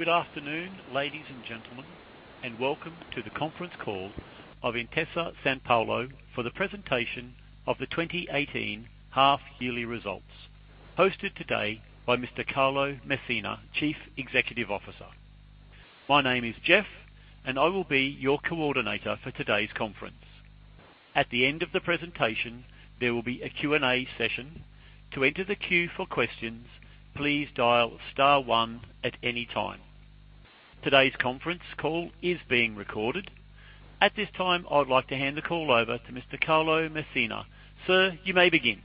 Good afternoon, ladies and gentlemen. Welcome to the conference call of Intesa Sanpaolo for the presentation of the 2018 half-yearly results, hosted today by Mr. Carlo Messina, Chief Executive Officer. My name is Jeff, I will be your coordinator for today's conference. At the end of the presentation, there will be a Q&A session. To enter the queue for questions, please dial star one at any time. Today's conference call is being recorded. At this time, I would like to hand the call over to Mr. Carlo Messina. Sir, you may begin.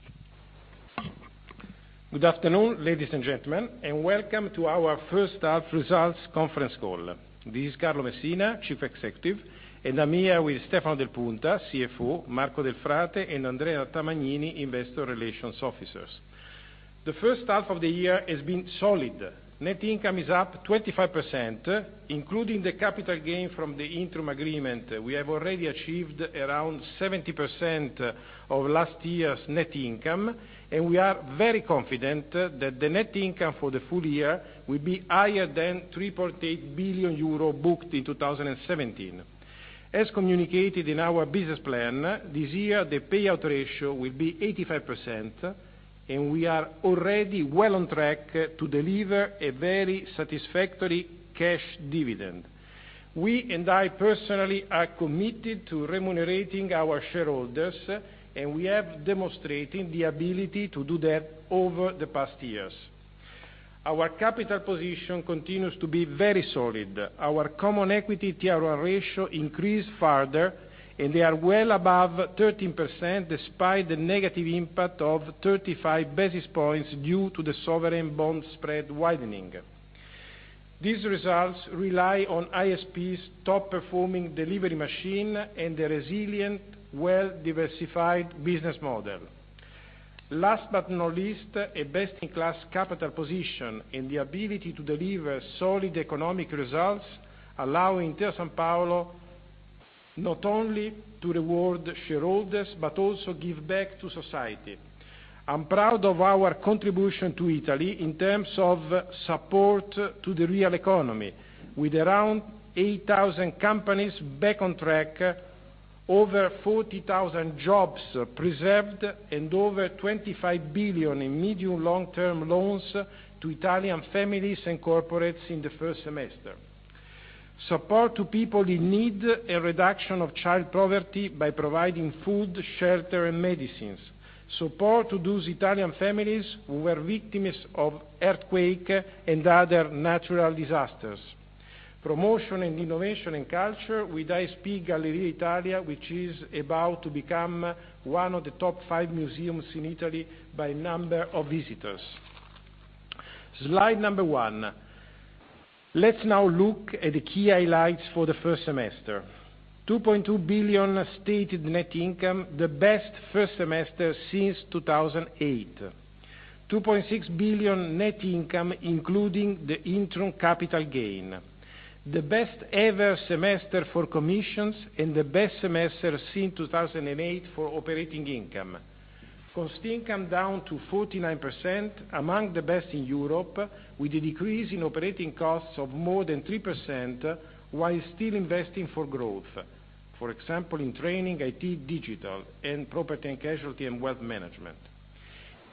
Good afternoon, ladies and gentlemen. Welcome to our first half results conference call. This is Carlo Messina, Chief Executive, I'm here with Stefano Del Punta, CFO, Marco Del Frate, and Andrea Tamagnini, investor relations officers. The first half of the year has been solid. Net income is up 25%, including the capital gain from the Intrum agreement. We have already achieved around 70% of last year's net income. We are very confident that the net income for the full year will be higher than 3.8 billion euro booked in 2017. As communicated in our business plan, this year, the payout ratio will be 85%. We are already well on track to deliver a very satisfactory cash dividend. We, I personally, are committed to remunerating our shareholders. We have demonstrated the ability to do that over the past years. Our capital position continues to be very solid. Our Common Equity Tier 1 ratio increased further. They are well above 13%, despite the negative impact of 35 basis points due to the sovereign bond spread widening. These results rely on ISP's top-performing delivery machine and a resilient, well-diversified business model. Last, not least, a best-in-class capital position. The ability to deliver solid economic results, allowing Intesa Sanpaolo not only to reward shareholders, also give back to society. I'm proud of our contribution to Italy in terms of support to the real economy. With around 8,000 companies back on track, over 40,000 jobs preserved, over 25 billion in medium long-term loans to Italian families and corporates in the first semester. Support to people in need, a reduction of child poverty by providing food, shelter, and medicines. Support to those Italian families who were victims of earthquake and other natural disasters. Promotion, innovation in culture with Gallerie d'Italia, which is about to become one of the top five museums in Italy by number of visitors. Slide number one. Let's now look at the key highlights for the first semester. 2.2 billion stated net income, the best first semester since 2008. 2.6 billion net income, including the Intrum capital gain. The best ever semester for commissions. The best semester since 2008 for operating income. Cost income down to 49%, among the best in Europe, with a decrease in operating costs of more than 3% while still investing for growth. For example, in training, IT, digital, property and casualty and wealth management.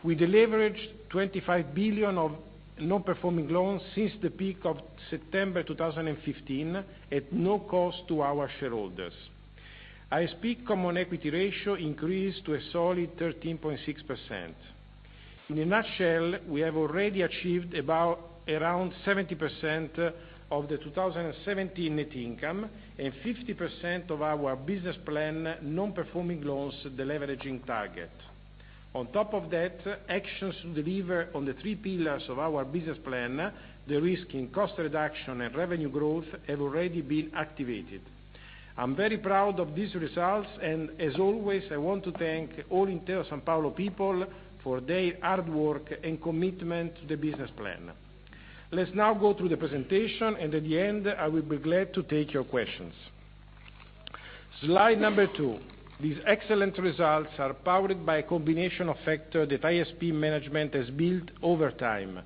We deleveraged 25 billion of non-performing loans since the peak of September 2015, at no cost to our shareholders. ISP Common Equity ratio increased to a solid 13.6%. In a nutshell, we have already achieved around 70% of the 2017 net income and 50% of our business plan non-performing loans deleveraging target. On top of that, actions deliver on the three pillars of our business plan, the risk and cost reduction and revenue growth have already been activated. I am very proud of these results, and as always, I want to thank all Intesa Sanpaolo people for their hard work and commitment to the business plan. Let's now go through the presentation, and at the end, I will be glad to take your questions. Slide number two. These excellent results are powered by a combination of factors that ISP management has built over time.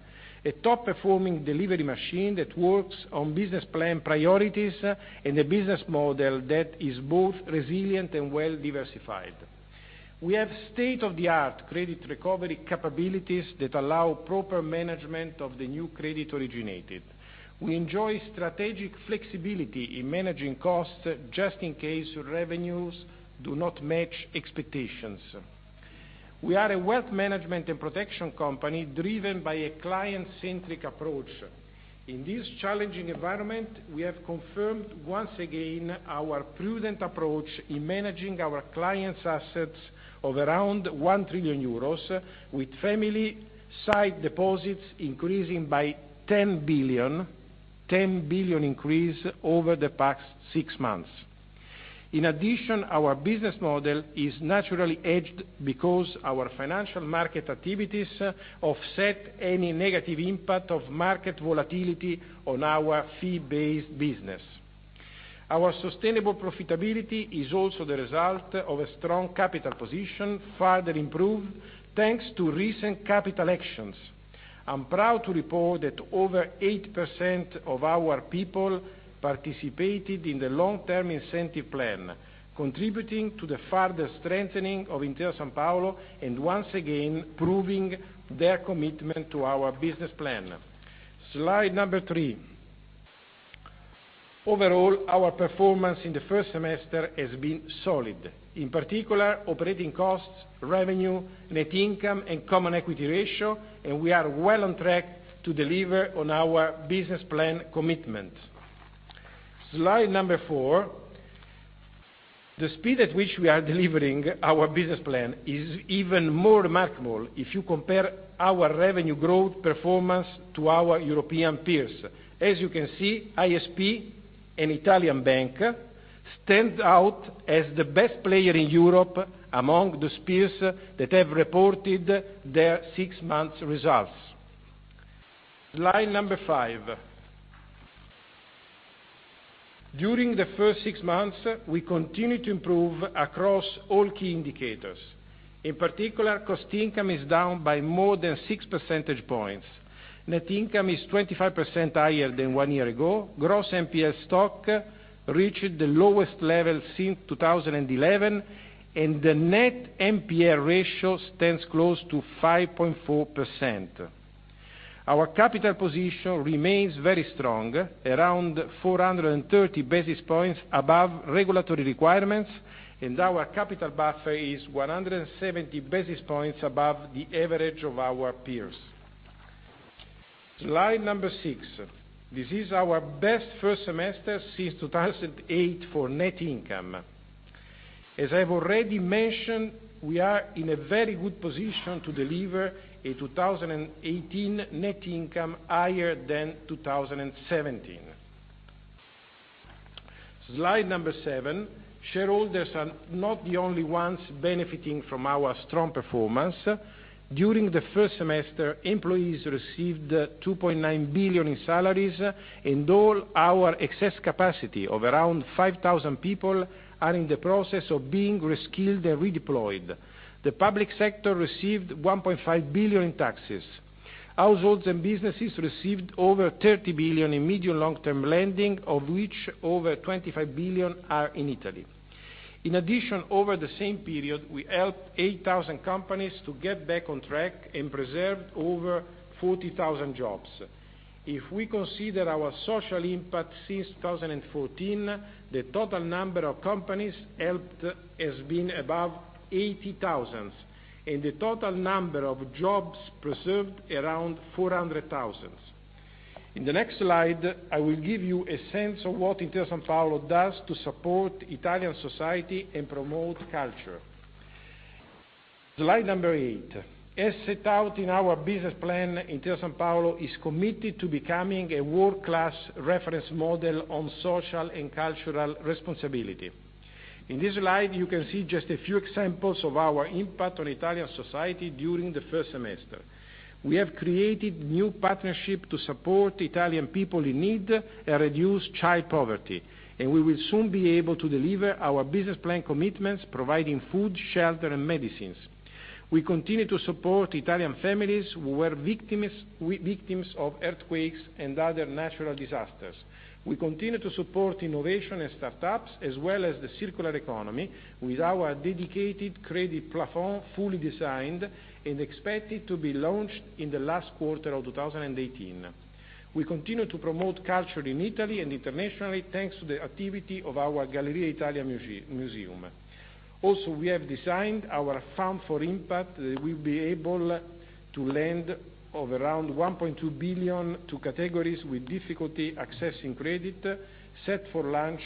A top-performing delivery machine that works on business plan priorities, and a business model that is both resilient and well-diversified. We have state-of-the-art credit recovery capabilities that allow proper management of the new credit originated. We enjoy strategic flexibility in managing costs just in case revenues do not match expectations. We are a wealth management and protection company driven by a client-centric approach. In this challenging environment, we have confirmed once again our prudent approach in managing our clients' assets of around 1 trillion euros, with family side deposits increasing by 10 billion, 10 billion increase over the past 6 months. In addition, our business model is naturally hedged, because our financial market activities offset any negative impact of market volatility on our fee-based business. Our sustainable profitability is also the result of a strong capital position, further improved thanks to recent capital actions. I am proud to report that over 8% of our people participated in the long-term incentive plan, contributing to the further strengthening of Intesa Sanpaolo, and once again proving their commitment to our business plan. Slide number three. Overall, our performance in the first semester has been solid. In particular, operating costs, revenue, net income, and Common Equity ratio, and we are well on track to deliver on our business plan commitment. Slide number four. The speed at which we are delivering our business plan is even more remarkable if you compare our revenue growth performance to our European peers. As you can see, ISP, an Italian bank, stands out as the best player in Europe among those peers that have reported their 6 months results. Slide number five. During the first 6 months, we continued to improve across all key indicators. In particular, cost-income is down by more than 6 percentage points. Net income is 25% higher than one year ago. Gross NPL stock reached the lowest level since 2011, and the net NPL ratio stands close to 5.4%. Our capital position remains very strong, around 430 basis points above regulatory requirements, and our capital buffer is 170 basis points above the average of our peers. Slide number six. This is our best first semester since 2008 for net income. As I have already mentioned, we are in a very good position to deliver a 2018 net income higher than 2017. Slide number seven. Shareholders are not the only ones benefiting from our strong performance. During the first semester, employees received 2.9 billion in salaries, and all our excess capacity of around 5,000 people are in the process of being reskilled and redeployed. The public sector received 1.5 billion in taxes. Households and businesses received over 30 billion in medium long-term lending, of which over 25 billion are in Italy. In addition, over the same period, we helped 8,000 companies to get back on track and preserved over 40,000 jobs. If we consider our social impact since 2014, the total number of companies helped has been above 80,000, and the total number of jobs preserved around 400,000. In the next slide, I will give you a sense of what Intesa Sanpaolo does to support Italian society and promote culture. Slide number eight. As set out in our business plan, Intesa Sanpaolo is committed to becoming a world-class reference model on social and cultural responsibility. In this slide, you can see just a few examples of our impact on Italian society during the first semester. We have created new partnership to support Italian people in need and reduce child poverty, and we will soon be able to deliver our business plan commitments, providing food, shelter, and medicines. We continue to support Italian families who were victims of earthquakes and other natural disasters. We continue to support innovation and startups, as well as the circular economy with our dedicated credit plafond fully designed and expected to be launched in the last quarter of 2018. We continue to promote culture in Italy and internationally, thanks to the activity of our Gallerie d'Italia Museum. Also, we have designed our Fund for Impact that will be able to lend of around 1.2 billion to categories with difficulty accessing credit, set for launch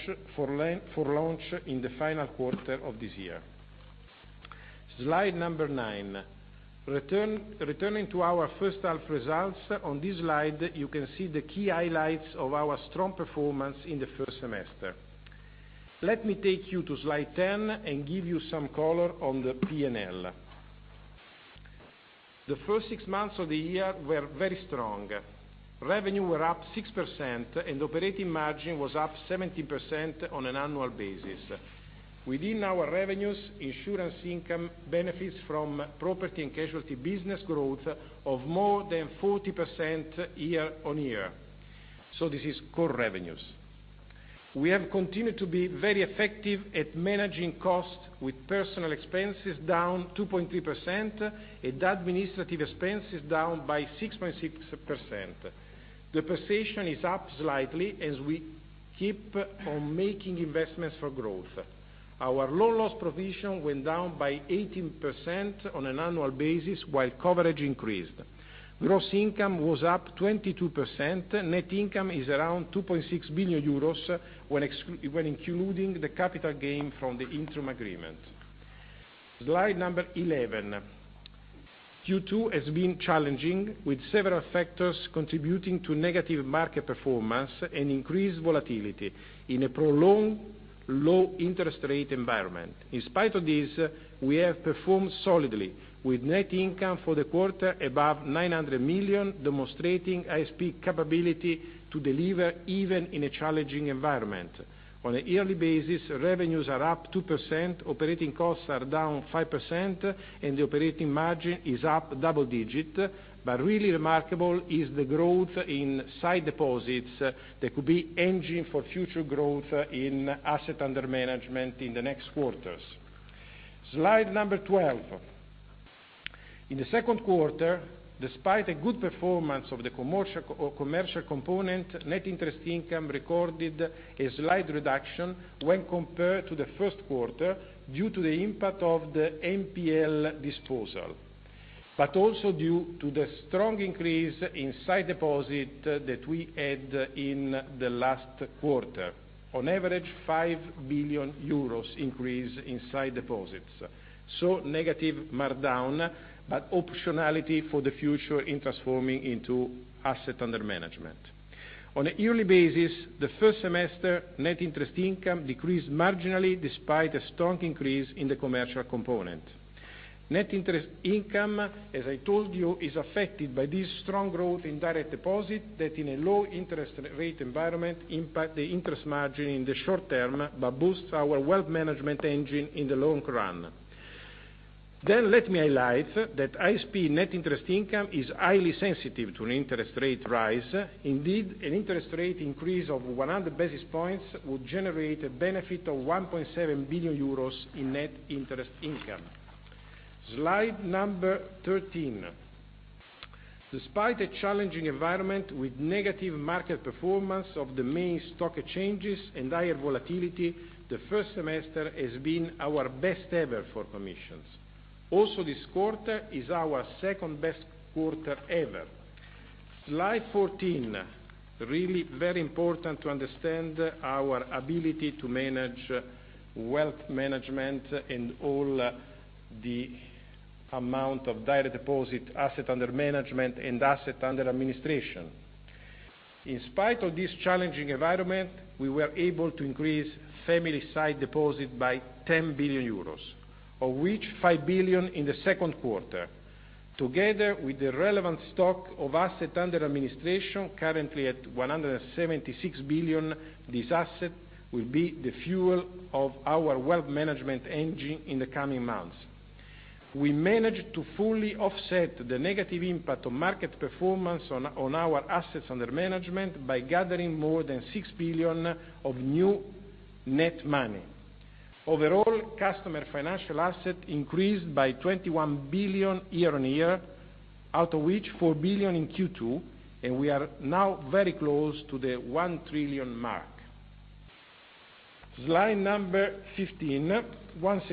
in the final quarter of this year. Slide number nine. Returning to our first half results, on this slide, you can see the key highlights of our strong performance in the first semester. Let me take you to slide 10 and give you some color on the P&L. The first six months of the year were very strong. Revenue were up 6%, and operating margin was up 17% on an annual basis. Within our revenues, insurance income benefits from property and casualty business growth of more than 40% year on year. This is core revenues. We have continued to be very effective at managing costs with personal expenses down 2.3% and administrative expenses down by 6.6%. The position is up slightly as we keep on making investments for growth. Our loan loss provision went down by 18% on an annual basis while coverage increased. Gross income was up 22%. Net income is around 2.6 billion euros when including the capital gain from the Intrum agreement. Slide number 11. Q2 has been challenging, with several factors contributing to negative market performance and increased volatility in a prolonged low interest rate environment. In spite of this, we have performed solidly with net income for the quarter above 900 million, demonstrating ISP capability to deliver even in a challenging environment. On a yearly basis, revenues are up 2%, operating costs are down 5%, and the operating margin is up double digit. Really remarkable is the growth in sight deposits that could be engine for future growth in asset under management in the next quarters. Slide number 12. In the second quarter, despite a good performance of the commercial component, net interest income recorded a slight reduction when compared to the first quarter due to the impact of the NPL disposal, but also due to the strong increase in sight deposits that we had in the last quarter. On average, 5 billion euros increase in sight deposits. Negative markdown, but optionality for the future in transforming into assets under management. On a yearly basis, the first semester net interest income decreased marginally despite a strong increase in the commercial component. Net interest income, as I told you, is affected by this strong growth in direct deposits that in a low interest rate environment impacts the interest margin in the short term but boost our wealth management engine in the long run. Let me highlight that ISP net interest income is highly sensitive to an interest rate rise. Indeed, an interest rate increase of 100 basis points would generate a benefit of 1.7 billion euros in net interest income. Slide number 13. Despite a challenging environment with negative market performance of the main stock exchanges and higher volatility, the first semester has been our best ever for commissions. This quarter is our second-best quarter ever. Slide 14. Really very important to understand our ability to manage wealth management and all the amount of direct deposits, assets under management and assets under administration. In spite of this challenging environment, we were able to increase family sight deposits by 10 billion euros, of which 5 billion in the second quarter. Together with the relevant stock of assets under administration, currently at 176 billion, these assets will be the fuel of our wealth management engine in the coming months. We managed to fully offset the negative impact on market performance on our assets under management by gathering more than 6 billion of new net money. Overall, customer financial assets increased by 21 billion year-on-year, out of which 4 billion in Q2, and we are now very close to the 1 trillion mark. Slide number 15.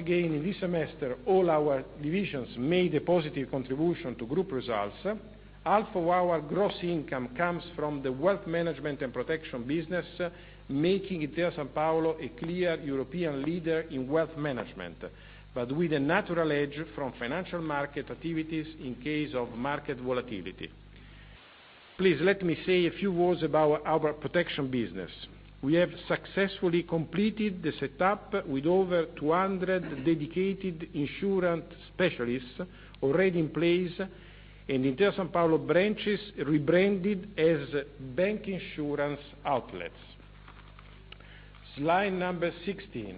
In this semester, all our divisions made a positive contribution to group results. Half of our gross income comes from the wealth management and protection business, making Intesa Sanpaolo a clear European leader in wealth management, but with a natural edge from financial market activities in case of market volatility. Please let me say a few words about our protection business. We have successfully completed the setup with over 200 dedicated insurance specialists already in place, and Intesa Sanpaolo branches rebranded as bank insurance outlets. Slide number 16.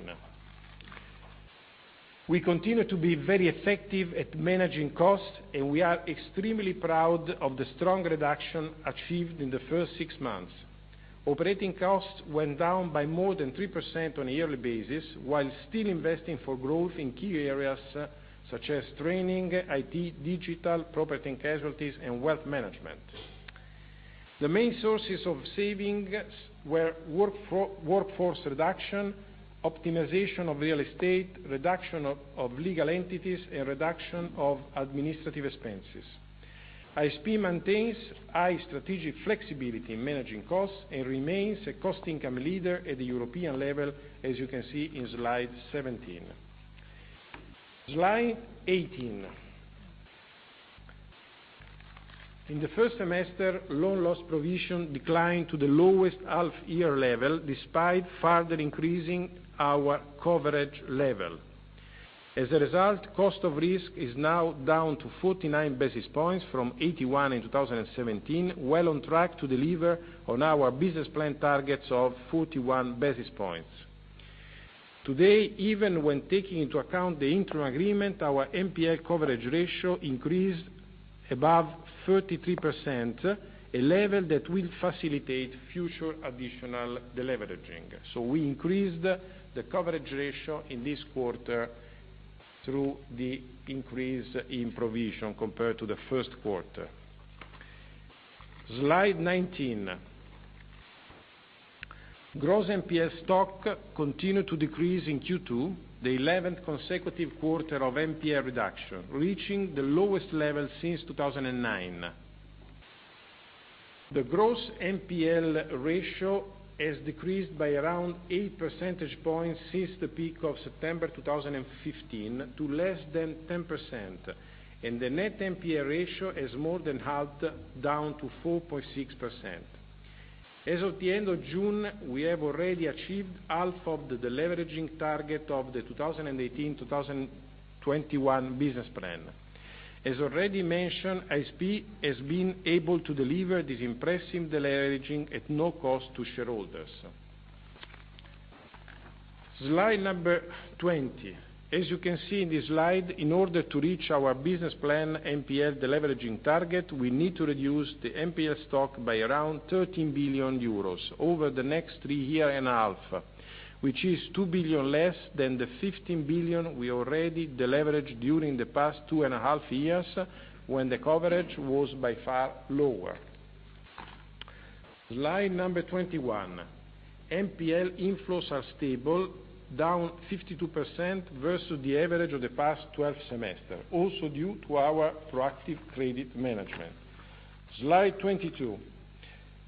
We continue to be very effective at managing costs, and we are extremely proud of the strong reduction achieved in the first six months. Operating costs went down by more than 3% on a yearly basis while still investing for growth in key areas such as training, IT, digital, property and casualty, and wealth management. The main sources of savings were workforce reduction, optimization of real estate, reduction of legal entities, and reduction of administrative expenses. ISP maintains high strategic flexibility in managing costs and remains a cost-income leader at the European level, as you can see in slide 17. Slide 18. In the first semester, loan loss provision declined to the lowest half-year level, despite further increasing our coverage level. cost of risk is now down to 49 basis points from 81 in 2017, well on track to deliver on our business plan targets of 41 basis points. Today, even when taking into account the Intrum agreement, our NPL coverage ratio increased above 33%, a level that will facilitate future additional deleveraging. We increased the coverage ratio in this quarter through the increase in provision compared to the first quarter. Slide 19. Gross NPL stock continued to decrease in Q2, the 11th consecutive quarter of NPL reduction, reaching the lowest level since 2009. The gross NPL ratio has decreased by around 8 percentage points since the peak of September 2015 to less than 10%, and the net NPL ratio has more than halved, down to 4.6%. As of the end of June, we have already achieved half of the deleveraging target of the 2018-2021 business plan. As already mentioned, ISP has been able to deliver this impressive deleveraging at no cost to shareholders. Slide number 20. As you can see in this slide, in order to reach our business plan NPL deleveraging target, we need to reduce the NPL stock by around 13 billion euros over the next 3 year and a half, which is 2 billion less than the 15 billion we already deleveraged during the past 2 and a half years, when the coverage was by far lower. Slide number 21. NPL inflows are stable, down 52% versus the average of the past 12 semester, also due to our proactive credit management. Slide 22.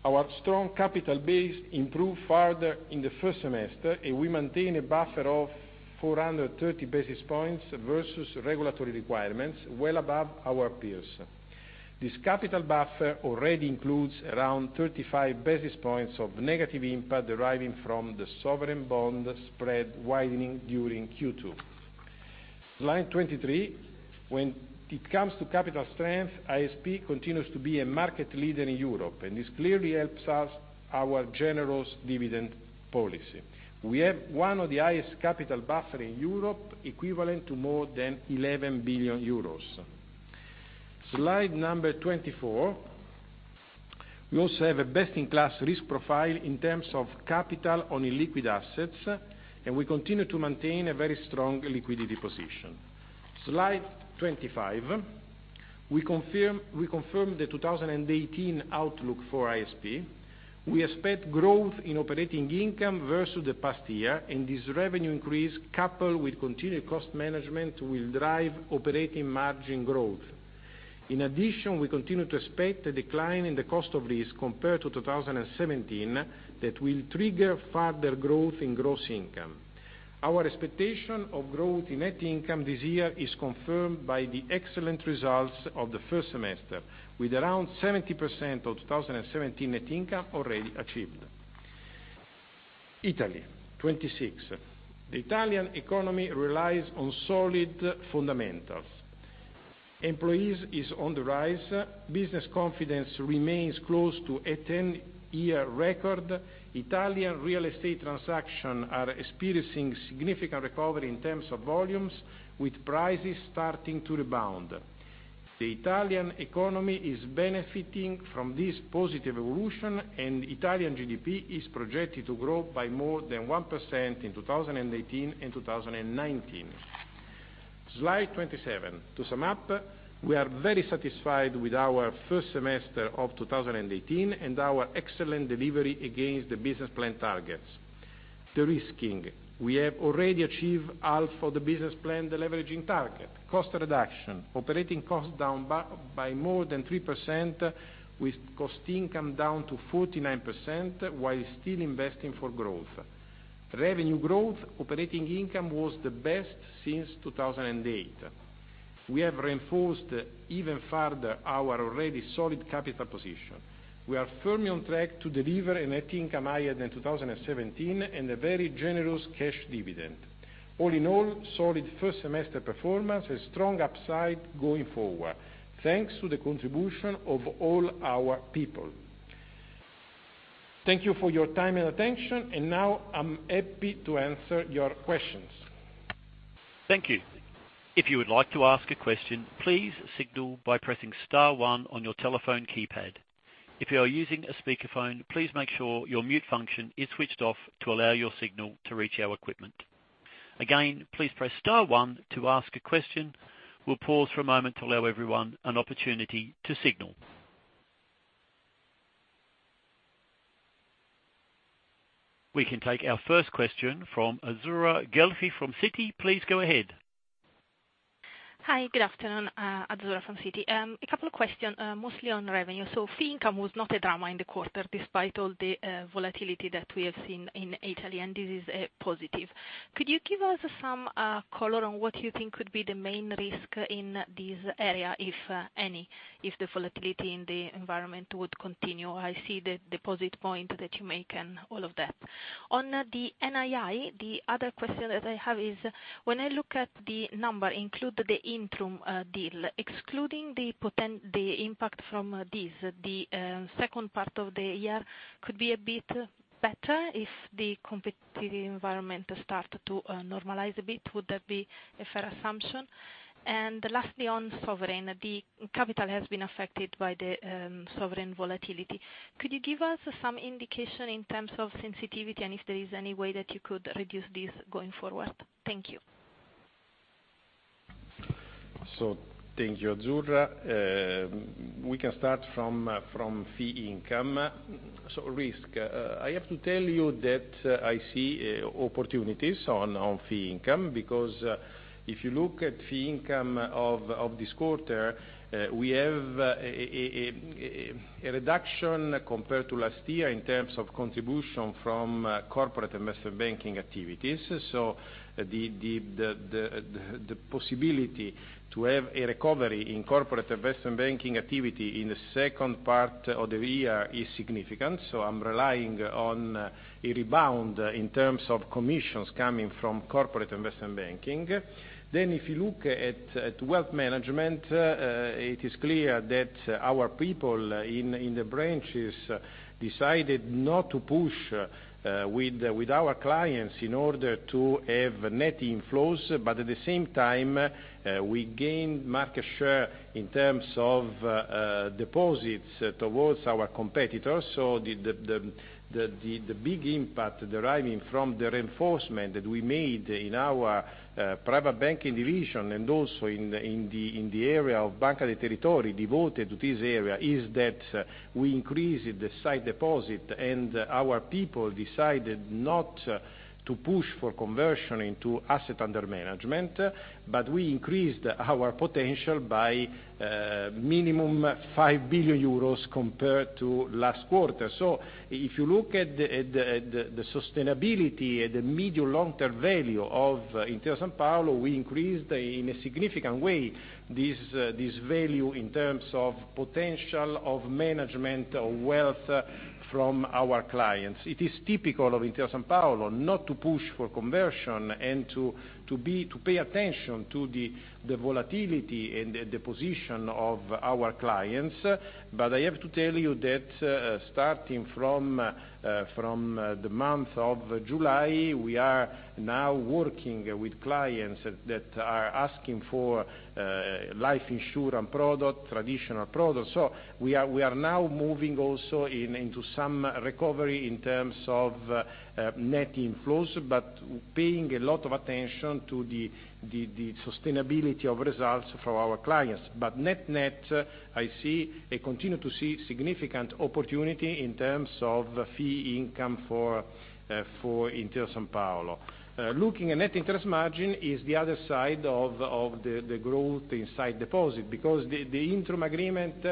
Our strong capital base improved further in the first semester, and we maintain a buffer of 430 basis points versus regulatory requirements, well above our peers. This capital buffer already includes around 35 basis points of negative impact deriving from the sovereign bond spread widening during Q2. Slide 23. When it comes to capital strength, ISP continues to be a market leader in Europe, and this clearly helps us, our generous dividend policy. We have one of the highest capital buffer in Europe, equivalent to more than 11 billion euros. Slide number 24. We also have a best-in-class risk profile in terms of capital on illiquid assets, and we continue to maintain a very strong liquidity position. Slide 25. We confirm the 2018 outlook for ISP. We expect growth in operating income versus the past year, and this revenue increase, coupled with continued cost management, will drive operating margin growth. In addition, we continue to expect a decline in the cost of risk compared to 2017 that will trigger further growth in gross income. Our expectation of growth in net income this year is confirmed by the excellent results of the first semester, with around 70% of 2017 net income already achieved. Slide 26. The Italian economy relies on solid fundamentals. Employees is on the rise. Business confidence remains close to a 10-year record. Italian real estate transaction are experiencing significant recovery in terms of volumes, with prices starting to rebound. The Italian economy is benefiting from this positive evolution, and Italian GDP is projected to grow by more than 1% in 2018 and 2019. Slide 27. To sum up, we are very satisfied with our first semester of 2018 and our excellent delivery against the business plan targets. De-risking. We have already achieved half of the business plan deleveraging target. Cost reduction. Operating costs down by more than 3% with cost income down to 49%, while still investing for growth. Revenue growth. Operating income was the best since 2008. We have reinforced even further our already solid capital position. We are firmly on track to deliver a net income higher than 2017 and a very generous cash dividend. All in all, solid first semester performance and strong upside going forward, thanks to the contribution of all our people. Thank you for your time and attention. Now I'm happy to answer your questions. Thank you. If you would like to ask a question, please signal by pressing star one on your telephone keypad. If you are using a speakerphone, please make sure your mute function is switched off to allow your signal to reach our equipment. Again, please press star one to ask a question. We'll pause for a moment to allow everyone an opportunity to signal. We can take our first question from Azzurra Guelfi from Citi. Please go ahead. Hi. Good afternoon, Azzurra from Citi. A couple of questions, mostly on revenue. Fee income was not a drama in the quarter, despite all the volatility that we have seen in Italy. This is positive. Could you give us some color on what you think could be the main risk in this area, if any, if the volatility in the environment would continue? I see the deposit point that you make and all of that. On the NII, the other question that I have is, when I look at the number, include the Intrum agreement, excluding the impact from this, the second part of the year could be a bit better if the competitive environment start to normalize a bit. Would that be a fair assumption? Lastly, on sovereign, the capital has been affected by the sovereign volatility. Could you give us some indication in terms of sensitivity and if there is any way that you could reduce this going forward? Thank you. Thank you, Azzurra. We can start from fee income. Risk, I have to tell you that I see opportunities on fee income, because if you look at fee income of this quarter, we have a reduction compared to last year in terms of contribution from Corporate Investment Banking activities. The possibility to have a recovery in Corporate Investment Banking activity in the second part of the year is significant. I am relying on a rebound in terms of commissions coming from Corporate Investment Banking. If you look at wealth management, it is clear that our people in the branches decided not to push with our clients in order to have net inflows. At the same time, we gained market share in terms of deposits towards our competitors. The big impact deriving from the reinforcement that we made in our private banking division and also in the area of Banca dei Territori devoted to this area, is that we increased the sight deposit and our people decided not to push for conversion into asset under management, but we increased our potential by minimum 5 billion euros compared to last quarter. If you look at the sustainability, the medium long-term value of Intesa Sanpaolo, we increased in a significant way this value in terms of potential of management of wealth from our clients. It is typical of Intesa Sanpaolo not to push for conversion and to pay attention to the volatility and the position of our clients. I have to tell you that, starting from the month of July, we are now working with clients that are asking for life insurance product, traditional product. We are now moving also into some recovery in terms of net inflows, paying a lot of attention to the sustainability of results for our clients. Net-net, I continue to see significant opportunity in terms of fee income for Intesa Sanpaolo. Looking at net interest margin is the other side of the growth inside deposit, because the Intrum agreement,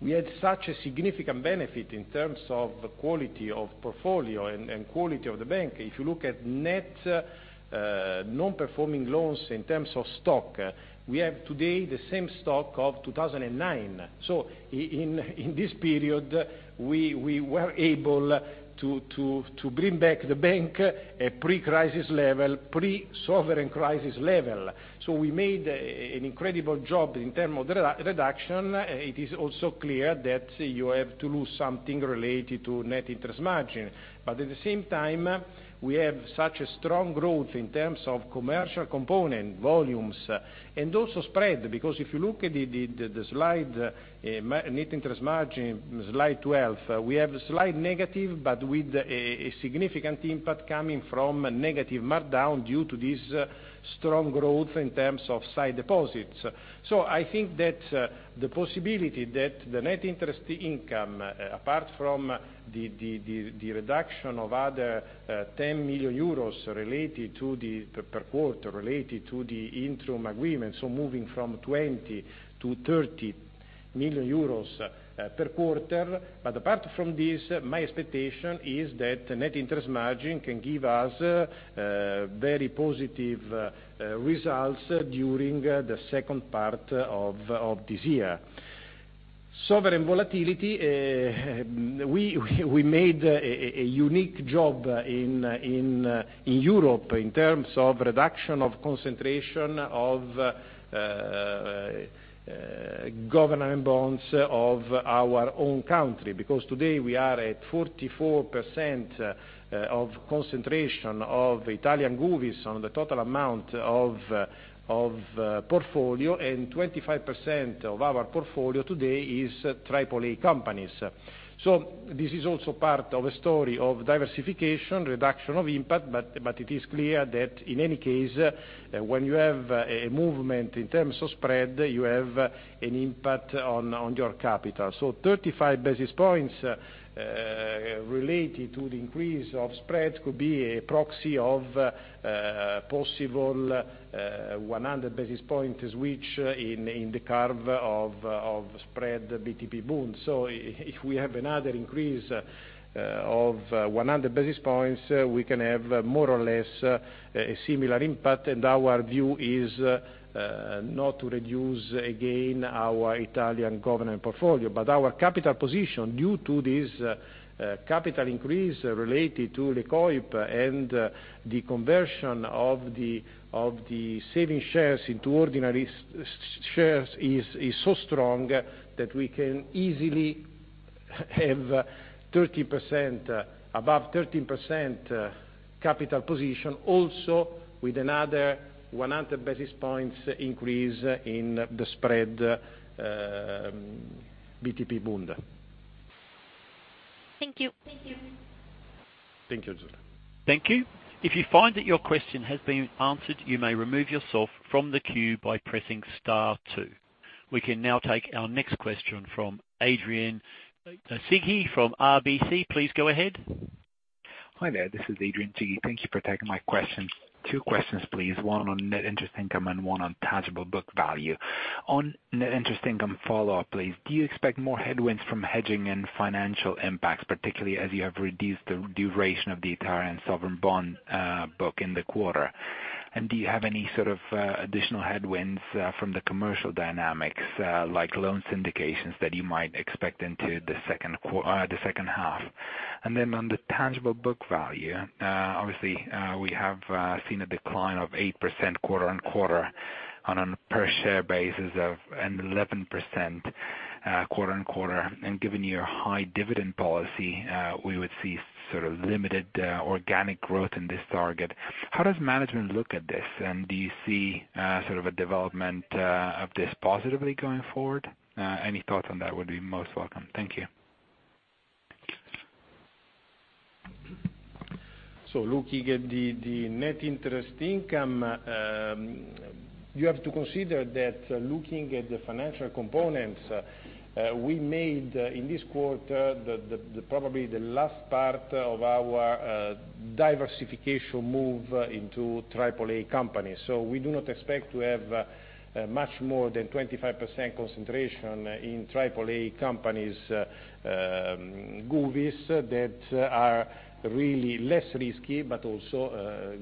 we had such a significant benefit in terms of quality of portfolio and quality of the bank. If you look at net non-performing loans in terms of stock, we have today the same stock of 2009. In this period, we were able to bring back the bank a pre-crisis level, pre-sovereign crisis level. We made an incredible job in terms of the reduction. It is also clear that you have to lose something related to net interest margin. At the same time, we have such a strong growth in terms of commercial component, volumes, and also spread. Because if you look at net interest margin, slide 12, we have a slight negative with a significant impact coming from negative markdown due to this strong growth in terms of sight deposits. I think that the possibility that the net interest income, apart from the reduction of other 10 million euros per quarter related to the Intrum agreement, moving from 20 million to 30 million euros per quarter. Apart from this, my expectation is that net interest margin can give us very positive results during the second part of this year. Sovereign volatility, we made a unique job in Europe in terms of reduction of concentration of government bonds of our own country. Today we are at 44% of concentration of Italian govies on the total amount of portfolio, and 25% of our portfolio today is AAA companies. This is also part of a story of diversification, reduction of impact, it is clear that in any case, when you have a movement in terms of spread, you have an impact on your capital. 35 basis points related to the increase of spread could be a proxy of possible 100 basis point switch in the curve of spread BTP Bund. If we have another increase of 100 basis points, we can have more or less a similar impact, and our view is not to reduce again our Italian government portfolio. Our capital position due to this capital increase related to LECOIP and the conversion of the saving shares into ordinary shares is so strong that we can easily have above 30% capital position also with another 100 basis points increase in the spread BTP Bund. Thank you. Thank you. Thank you. If you find that your question has been answered, you may remove yourself from the queue by pressing star two. We can now take our next question from Adrian Cighi from RBC. Please go ahead. Hi there. This is Adrian Cighi. Thank you for taking my questions. Two questions, please. One on net interest income and one on tangible book value. On net interest income follow-up, please. Do you expect more headwinds from hedging and financial impacts, particularly as you have reduced the duration of the Italian sovereign bond book in the quarter? Do you have any sort of additional headwinds from the commercial dynamics, like loan syndications that you might expect into the second half? On the tangible book value, obviously, we have seen a decline of 8% quarter-on-quarter on a per share basis of an 11% quarter-on-quarter. Given your high dividend policy, we would see limited organic growth in this target. How does management look at this, and do you see a development of this positively going forward? Any thoughts on that would be most welcome. Thank you. Looking at the net interest income, you have to consider that looking at the financial components, we made in this quarter, probably the last part of our diversification move into triple A companies. We do not expect to have much more than 25% concentration in triple A companies, govies, that are really less risky, but also,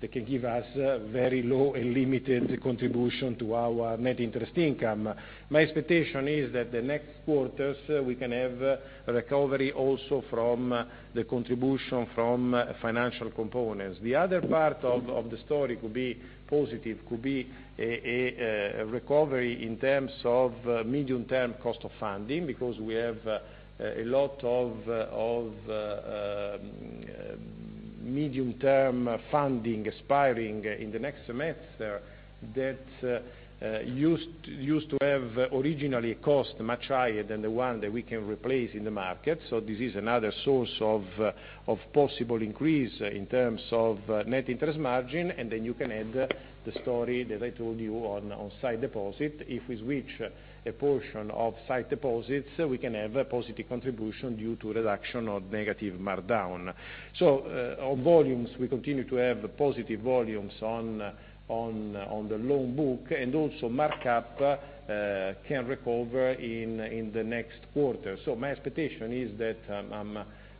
they can give us very low and limited contribution to our net interest income. My expectation is that the next quarters, we can have recovery also from the contribution from financial components. Other part of the story could be positive, could be a recovery in terms of medium-term cost of funding, because we have a lot of medium-term funding expiring in the next month that used to have originally a cost much higher than the one that we can replace in the market. This is another source of possible increase in terms of net interest margin, and then you can add the story that I told you on sight deposit. If we switch a portion of sight deposits, we can have a positive contribution due to reduction of negative markdown. On volumes, we continue to have positive volumes on the loan book, and also markup can recover in the next quarter. My expectation is that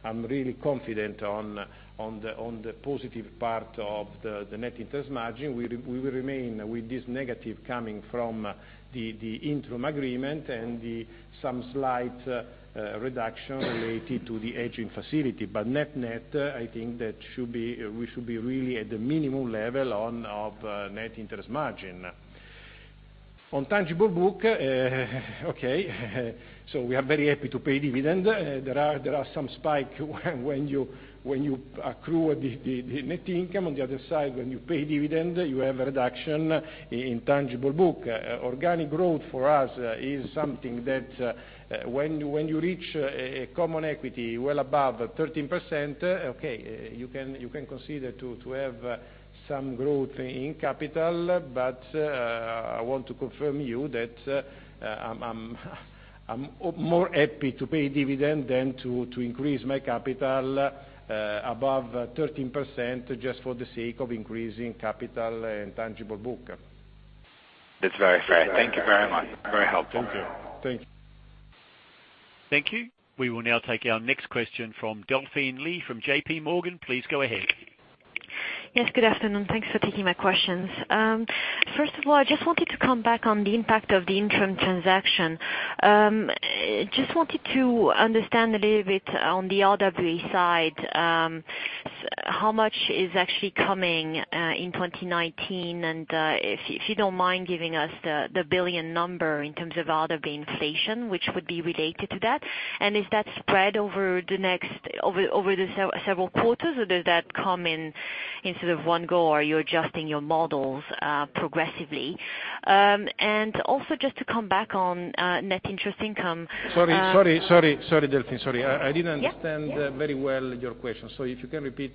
I'm really confident on the positive part of the net interest margin. We will remain with this negative coming from the Intrum agreement and some slight reduction related to the hedging facility. Net-net, I think that we should be really at the minimum level of net interest margin. On tangible book, so we are very happy to pay dividend. There are some spike when you accrue the net income. On the other side, when you pay dividend, you have a reduction in tangible book. Organic growth for us is something that, when you reach a Common Equity well above 13%, you can consider to have some growth in capital. I want to confirm you that I'm more happy to pay dividend than to increase my capital above 13% just for the sake of increasing capital and tangible book. That's very fair. Thank you very much. Very helpful. Thank you. Thank you. We will now take our next question from Delphine Lee, from JPMorgan. Please go ahead. Yes, good afternoon. Thanks for taking my questions. First of all, I just wanted to come back on the impact of the Intrum transaction. Just wanted to understand a little bit on the RWA side, how much is actually coming in 2019, and if you don't mind giving us the billion number in terms of RWA inflation, which would be related to that. Is that spread over the several quarters, or does that come in sort of one go, or are you adjusting your models progressively? Also just to come back on net interest income- Sorry, Delphine. I didn't understand very well your question. If you can repeat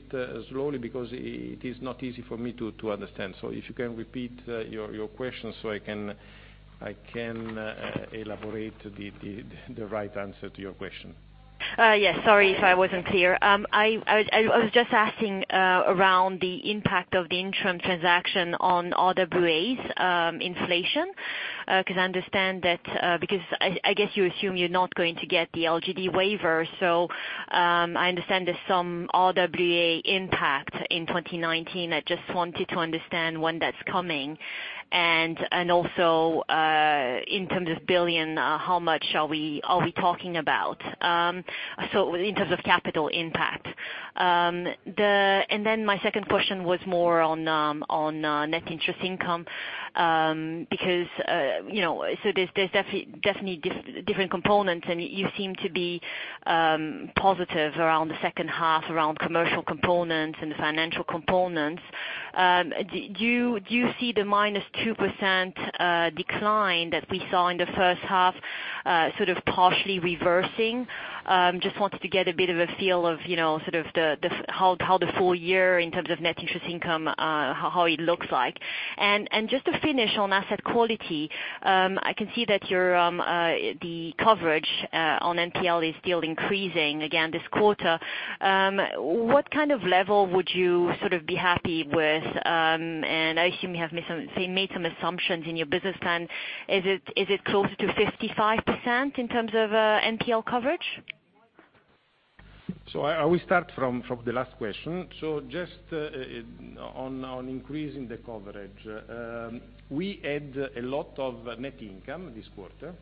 slowly because it is not easy for me to understand. If you can repeat your question so I can elaborate the right answer to your question. Yes. Sorry if I wasn't clear. I was just asking around the impact of the Intrum transaction on RWAs inflation. I guess you assume you're not going to get the LGD waiver, so, I understand there's some RWA impact in 2019. I just wanted to understand when that's coming, and also, in terms of billion, how much are we talking about, so in terms of capital impact. My second question was more on net interest income. There's definitely different components, and you seem to be positive around the second half around commercial components and the financial components. Do you see the minus 2% decline that we saw in the first half sort of partially reversing? Just wanted to get a bit of a feel of how the full year, in terms of net interest income, how it looks like. Just to finish on asset quality, I can see that the coverage on NPL is still increasing again this quarter. What kind of level would you be happy with? I assume you have made some assumptions in your business plan. Is it closer to 55% in terms of NPL coverage? I will start from the last question. Just on increasing the coverage. We had a lot of net income this quarter,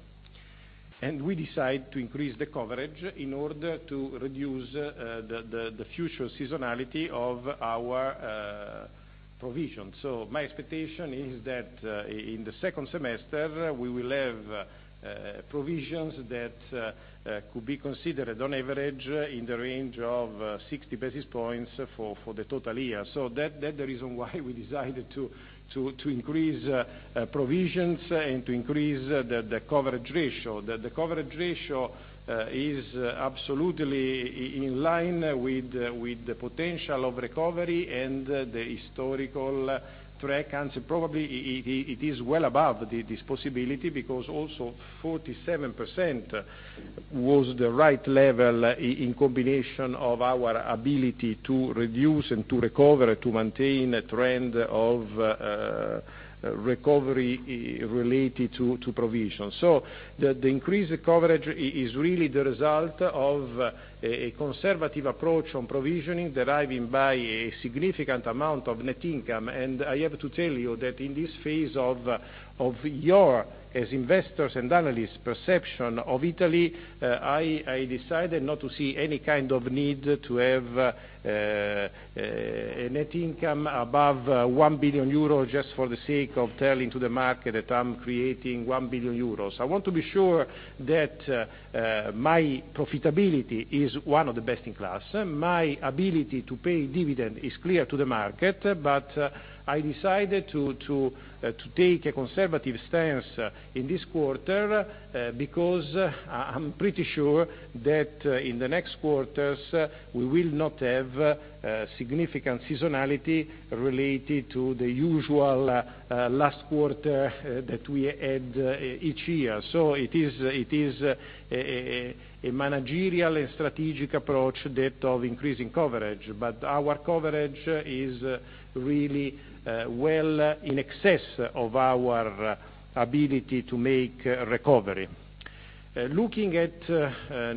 and we decided to increase the coverage in order to reduce the future seasonality of our provision. My expectation is that in the second semester, we will have provisions that could be considered on average, in the range of 60 basis points for the total year. That the reason why we decided to increase provisions and to increase the coverage ratio. The coverage ratio is absolutely in line with the potential of recovery and the historical track. Probably it is well above this possibility because also 47% was the right level in combination of our ability to reduce and to recover, to maintain a trend of recovery related to provision. The increased coverage is really the result of a conservative approach on provisioning, deriving by a significant amount of net income. I have to tell you that in this phase of your, as investors and analysts, perception of Italy, I decided not to see any kind of need to have a net income above 1 billion euros, just for the sake of telling to the market that I'm creating 1 billion euros. I want to be sure that my profitability is one of the best in class. My ability to pay dividend is clear to the market, I decided to take a conservative stance in this quarter because I'm pretty sure that in the next quarters, we will not have significant seasonality related to the usual last quarter that we had each year. It is a managerial and strategic approach that of increasing coverage. Our coverage is really well in excess of our ability to make recovery. Looking at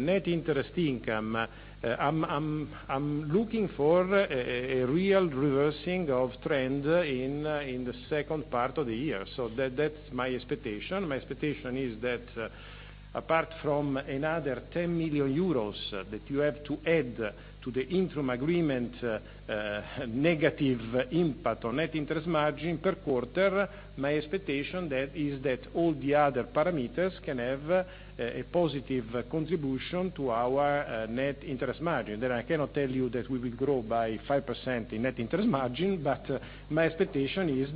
net interest income, I'm looking for a real reversing of trend in the second part of the year. That's my expectation. My expectation is that apart from another 10 million euros that you have to add to the Intrum agreement negative impact on net interest margin per quarter, my expectation is that all the other parameters can have a positive contribution to our net interest margin. I cannot tell you that we will grow by 5% in net interest margin, my expectation is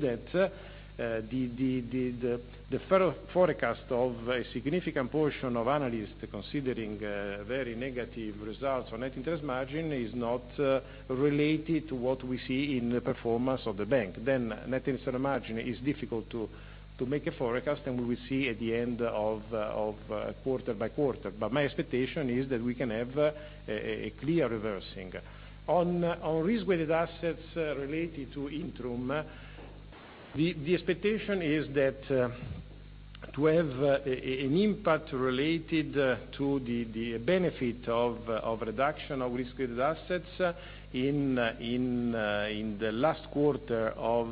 that the forecast of a significant portion of analysts considering very negative results on net interest margin is not related to what we see in the performance of the bank. Net interest margin is difficult to make a forecast, and we will see at the end of quarter by quarter. My expectation is that we can have a clear reversing. On risk-weighted assets related to Intrum, the expectation is that to have an impact related to the benefit of reduction of risk-weighted assets in the last quarter of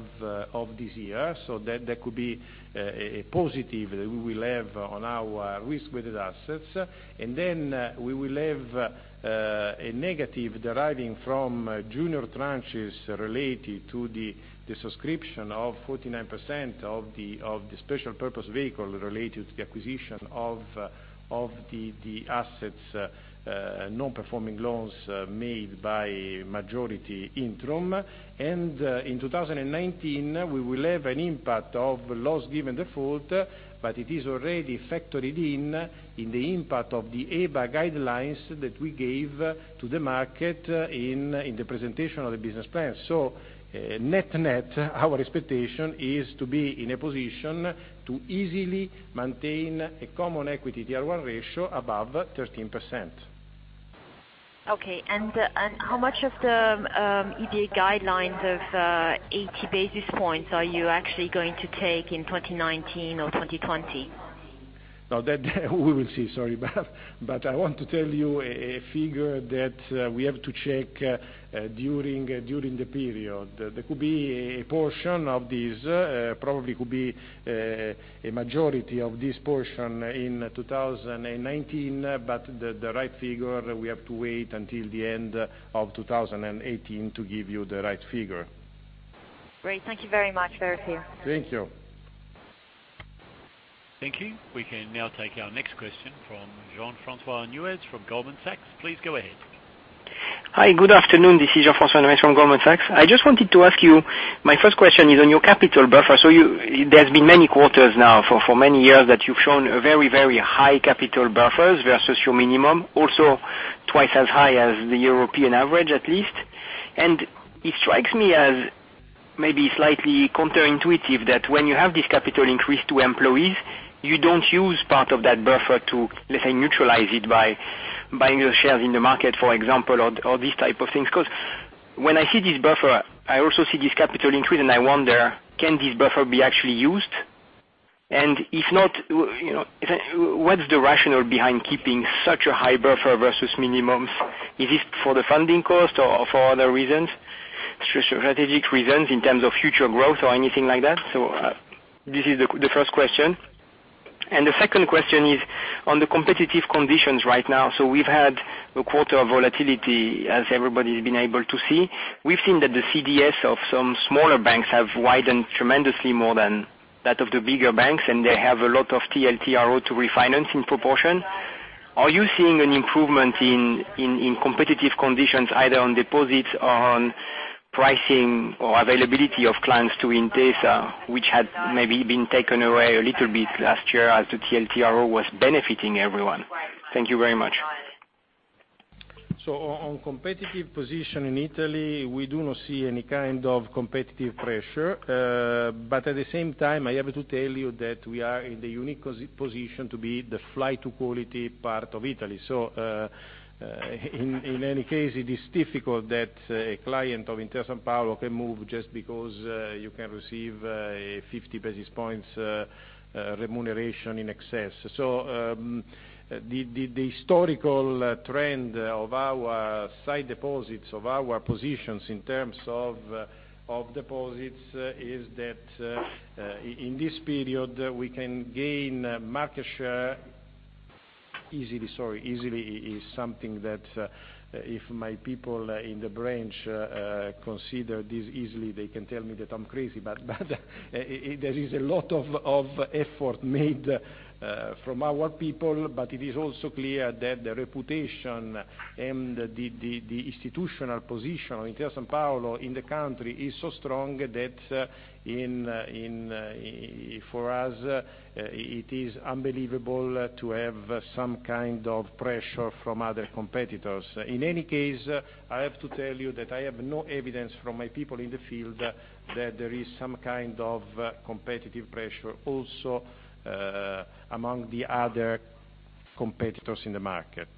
this year, so that could be a positive we will have on our risk-weighted assets. Then we will have a negative deriving from junior tranches related to the subscription of 49% of the special purpose vehicle related to the acquisition of the assets, non-performing loans made by majority Intrum. In 2019, we will have an impact of loss given default, but it is already factored in the impact of the EBA guidelines that we gave to the market in the presentation of the business plan. Net-net, our expectation is to be in a position to easily maintain a common equity Tier 1 ratio above 13%. Okay. How much of the EBA guidelines of 80 basis points are you actually going to take in 2019 or 2020? We will see. Sorry about that, I want to tell you a figure that we have to check during the period. There could be a portion of this, probably could be a majority of this portion in 2019, the right figure, we have to wait until the end of 2018 to give you the right figure. Great. Thank you very much, Sergio. Thank you. Thank you. We can now take our next question from Jean-Francois Neuez from Goldman Sachs. Please go ahead. Hi. Good afternoon. This is Jean-Francois Neuez from Goldman Sachs. I just wanted to ask you, my first question is on your capital buffer. There's been many quarters now for many years that you've shown very, very high capital buffers versus your minimum, also twice as high as the European average at least. It strikes me as maybe slightly counterintuitive that when you have this capital increase to employees, you don't use part of that buffer to, let's say, neutralize it by buying your shares in the market, for example, or these type of things. Because when I see this buffer, I also see this capital increase, and I wonder, can this buffer be actually used? If not, what's the rationale behind keeping such a high buffer versus minimums? Is it for the funding cost or for other reasons, strategic reasons in terms of future growth or anything like that? This is the first question. The second question is on the competitive conditions right now. We've had a quarter of volatility, as everybody's been able to see. We've seen that the CDS of some smaller banks have widened tremendously more than that of the bigger banks, and they have a lot of TLTRO to refinance in proportion. Are you seeing an improvement in competitive conditions, either on deposits, on pricing, or availability of clients to Intesa, which had maybe been taken away a little bit last year as the TLTRO was benefiting everyone? Thank you very much. On competitive position in Italy, we do not see any kind of competitive pressure. At the same time, I have to tell you that we are in the unique position to be the flight to quality part of Italy. In any case, it is difficult that a client of Intesa Sanpaolo can move just because you can receive a 50 basis points remuneration in excess. The historical trend of our side deposits, of our positions in terms of deposits, is that in this period, we can gain market share easily. Easily is something that if my people in the branch consider this easily, they can tell me that I'm crazy. There is a lot of effort made from our people, but it is also clear that the reputation and the institutional position of Intesa Sanpaolo in the country is so strong that for us, it is unbelievable to have some kind of pressure from other competitors. In any case, I have to tell you that I have no evidence from my people in the field that there is some kind of competitive pressure also among the other competitors in the market.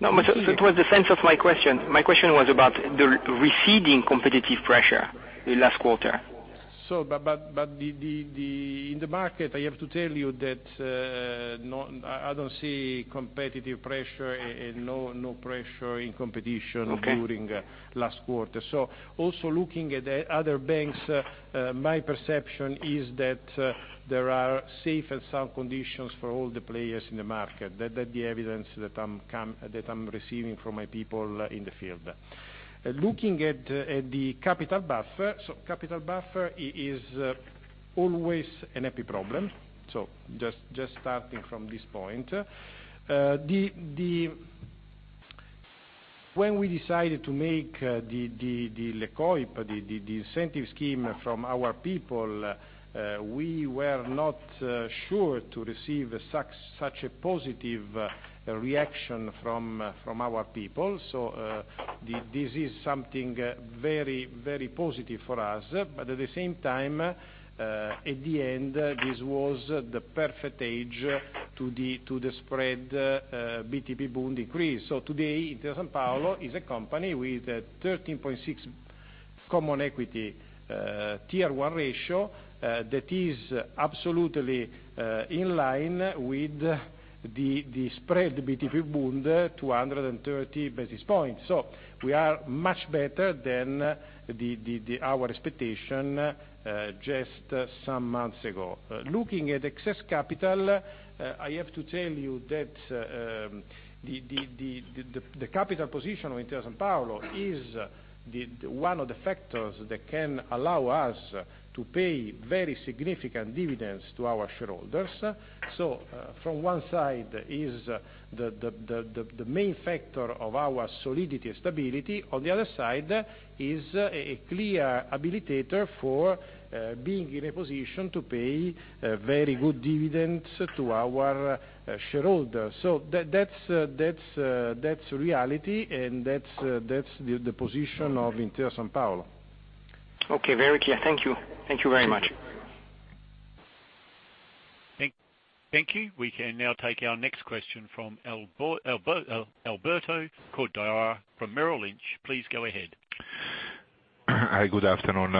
No, it was the sense of my question. My question was about the receding competitive pressure the last quarter. In the market, I have to tell you that I don't see competitive pressure and no pressure. Okay during last quarter. Also looking at the other banks, my perception is that there are safe and sound conditions for all the players in the market. That the evidence that I'm receiving from my people in the field. Looking at the capital buffer. Capital buffer is always an epic problem. Just starting from this point. When we decided to make the LECOIP, the incentive scheme from our people, we were not sure to receive such a positive reaction from our people. This is something very, very positive for us. At the same time, at the end, this was the perfect age to the spread BTP Bund decrease. Today, Intesa Sanpaolo is a company with 13.6 Common Equity Tier 1 ratio, that is absolutely in line with the spread BTP Bund 230 basis points. We are much better than our expectation just some months ago. Looking at excess capital, I have to tell you that the capital position of Intesa Sanpaolo is one of the factors that can allow us to pay very significant dividends to our shareholders. From one side is the main factor of our solidity and stability. On the other side is a clear habilitator for being in a position to pay very good dividends to our shareholders. That's reality, and that's the position of Intesa Sanpaolo. Okay. Very clear. Thank you. Thank you very much. Thank you. We can now take our next question from Alberto Cordara from Merrill Lynch. Please go ahead. Hi, good afternoon.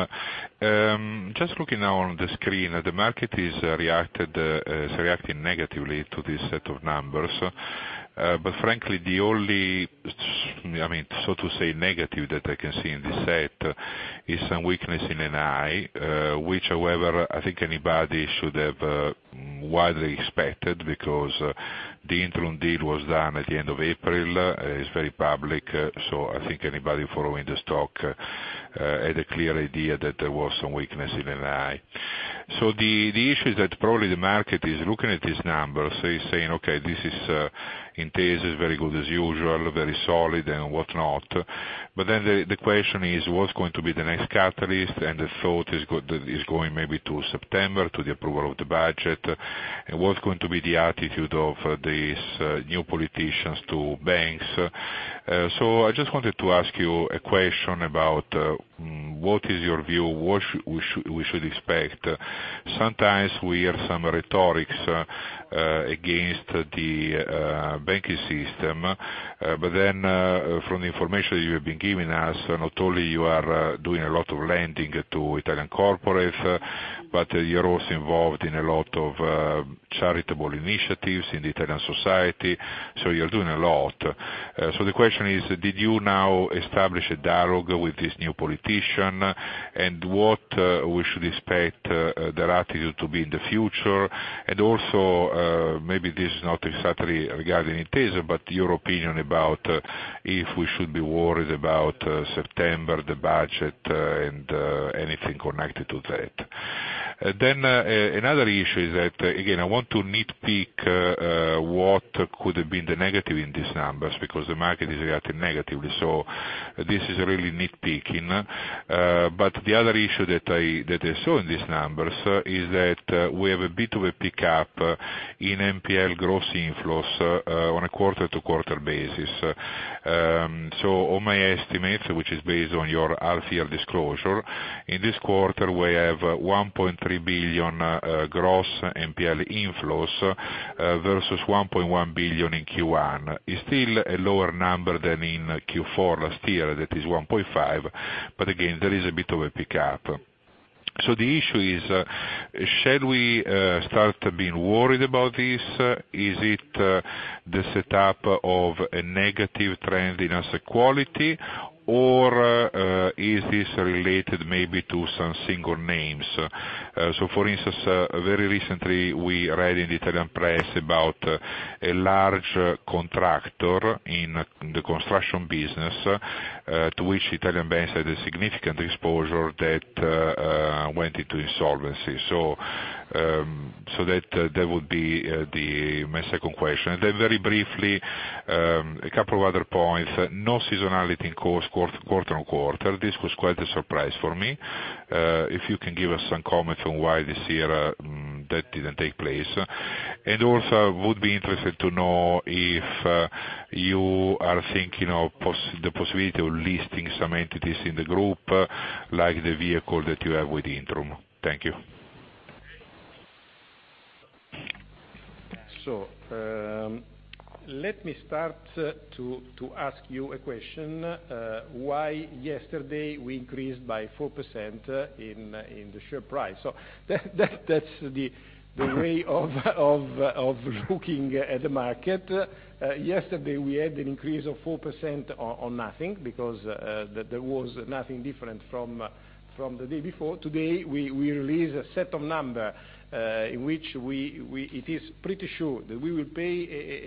Frankly, the only, so to say, negative that I can see in this set is some weakness in NII, which, however, I think anybody should have widely expected because the Intrum deal was done at the end of April. It's very public, so I think anybody following the stock had a clear idea that there was some weakness in NII. The issue is that probably the market is looking at these numbers, saying, "Okay, Intesa is very good as usual, very solid," and whatnot. The question is what's going to be the next catalyst? The thought is going maybe to September, to the approval of the budget, and what's going to be the attitude of these new politicians to banks. I just wanted to ask you a question about what is your view, what we should expect. Sometimes we hear some rhetoric against the banking system. From the information you have been giving us, not only you are doing a lot of lending to Italian corporates, but you're also involved in a lot of charitable initiatives in the Italian society, you're doing a lot. The question is, did you now establish a dialogue with this new politician, and what we should expect their attitude to be in the future? Also, maybe this is not exactly regarding Intesa, but your opinion about if we should be worried about September, the budget, and anything connected to that. Another issue is that, again, I want to nitpick what could have been the negative in these numbers, because the market is reacting negatively. This is really nitpicking. The other issue that I saw in these numbers is that we have a bit of a pickup in NPL gross inflows on a quarter-to-quarter basis. On my estimates, which is based on your half year disclosure, in this quarter, we have 1.3 billion gross NPL inflows versus 1.1 billion in Q1. It's still a lower number than in Q4 last year, that is 1.5 billion. Again, there is a bit of a pickup. The issue is, should we start being worried about this? Is it the setup of a negative trend in asset quality, or is this related maybe to some single names? For instance, very recently, we read in the Italian press about a large contractor in the construction business, to which Italian banks had a significant exposure that went into insolvency. That would be my second question. Very briefly, a couple of other points. No seasonality in core quarter-on-quarter. This was quite a surprise for me. If you can give us some comments on why this year that didn't take place. Also, would be interested to know if you are thinking of the possibility of listing some entities in the group, like the vehicle that you have with Intrum. Thank you. Let me start to ask you a question. Why yesterday we increased by 4% in the share price? That's the way of looking at the market. Yesterday, we had an increase of 4% on nothing, because there was nothing different from the day before. Today, we release a set of numbers, in which it is pretty sure that we will pay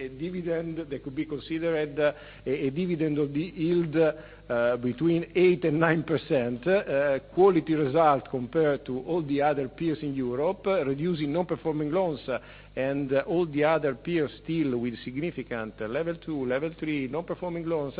a dividend that could be considered a dividend of the yield between 8%-9%. A quality result compared to all the other peers in Europe, reducing non-performing loans, all the other peers still with significant level 2, level 3 non-performing loans,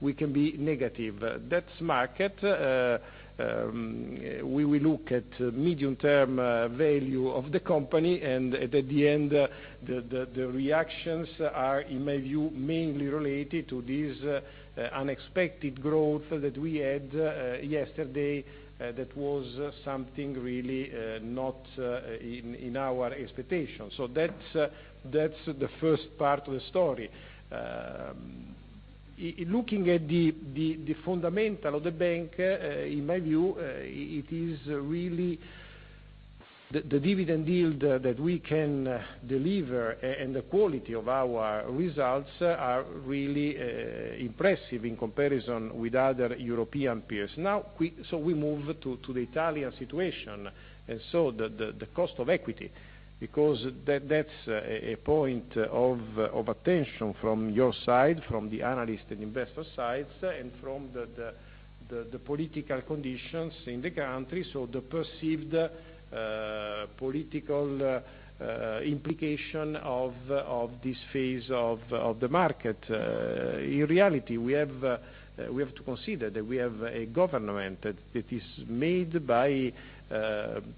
we can be negative. That's market. We will look at medium-term value of the company, at the end, the reactions are, in my view, mainly related to this unexpected growth that we had yesterday. That was something really not in our expectation. That's the first part of the story. Looking at the fundamentals of the bank, in my view, the dividend yield that we can deliver and the quality of our results are really impressive in comparison with other European peers. We move to the Italian situation. The cost of equity, because that's a point of attention from your side, from the analyst and investor sides, from the political conditions in the country, the perceived political implication of this phase of the market. In reality, we have to consider that we have a government that is made by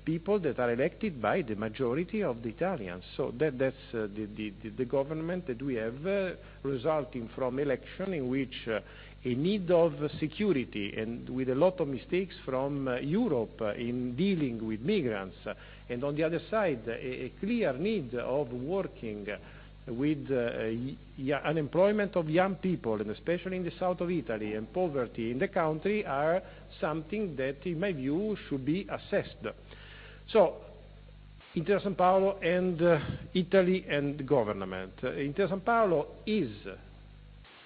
people that are elected by the majority of the Italians. That's the government that we have, resulting from election in which a need of security and with a lot of mistakes from Europe in dealing with migrants. On the other side, a clear need of working with unemployment of young people, especially in the South of Italy, poverty in the country, are something that, in my view, should be assessed. Intesa Sanpaolo, Italy, government. Intesa Sanpaolo is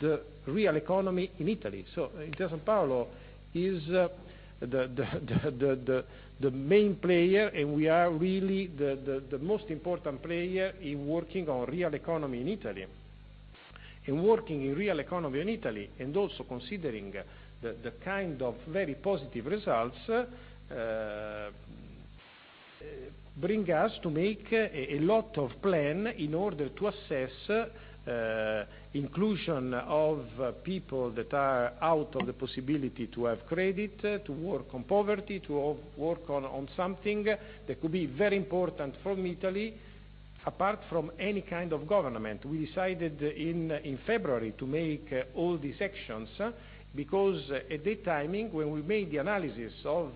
the real economy in Italy. Intesa Sanpaolo is the main player, we are really the most important player in working on real economy in Italy. In working in real economy in Italy, considering the kind of very positive results, bring us to make a lot of plans in order to assess inclusion of people that are out of the possibility to have credit, to work on poverty, to work on something that could be very important for Italy, apart from any kind of government. We decided in February to make all these actions, because at the timing, when we made the analysis of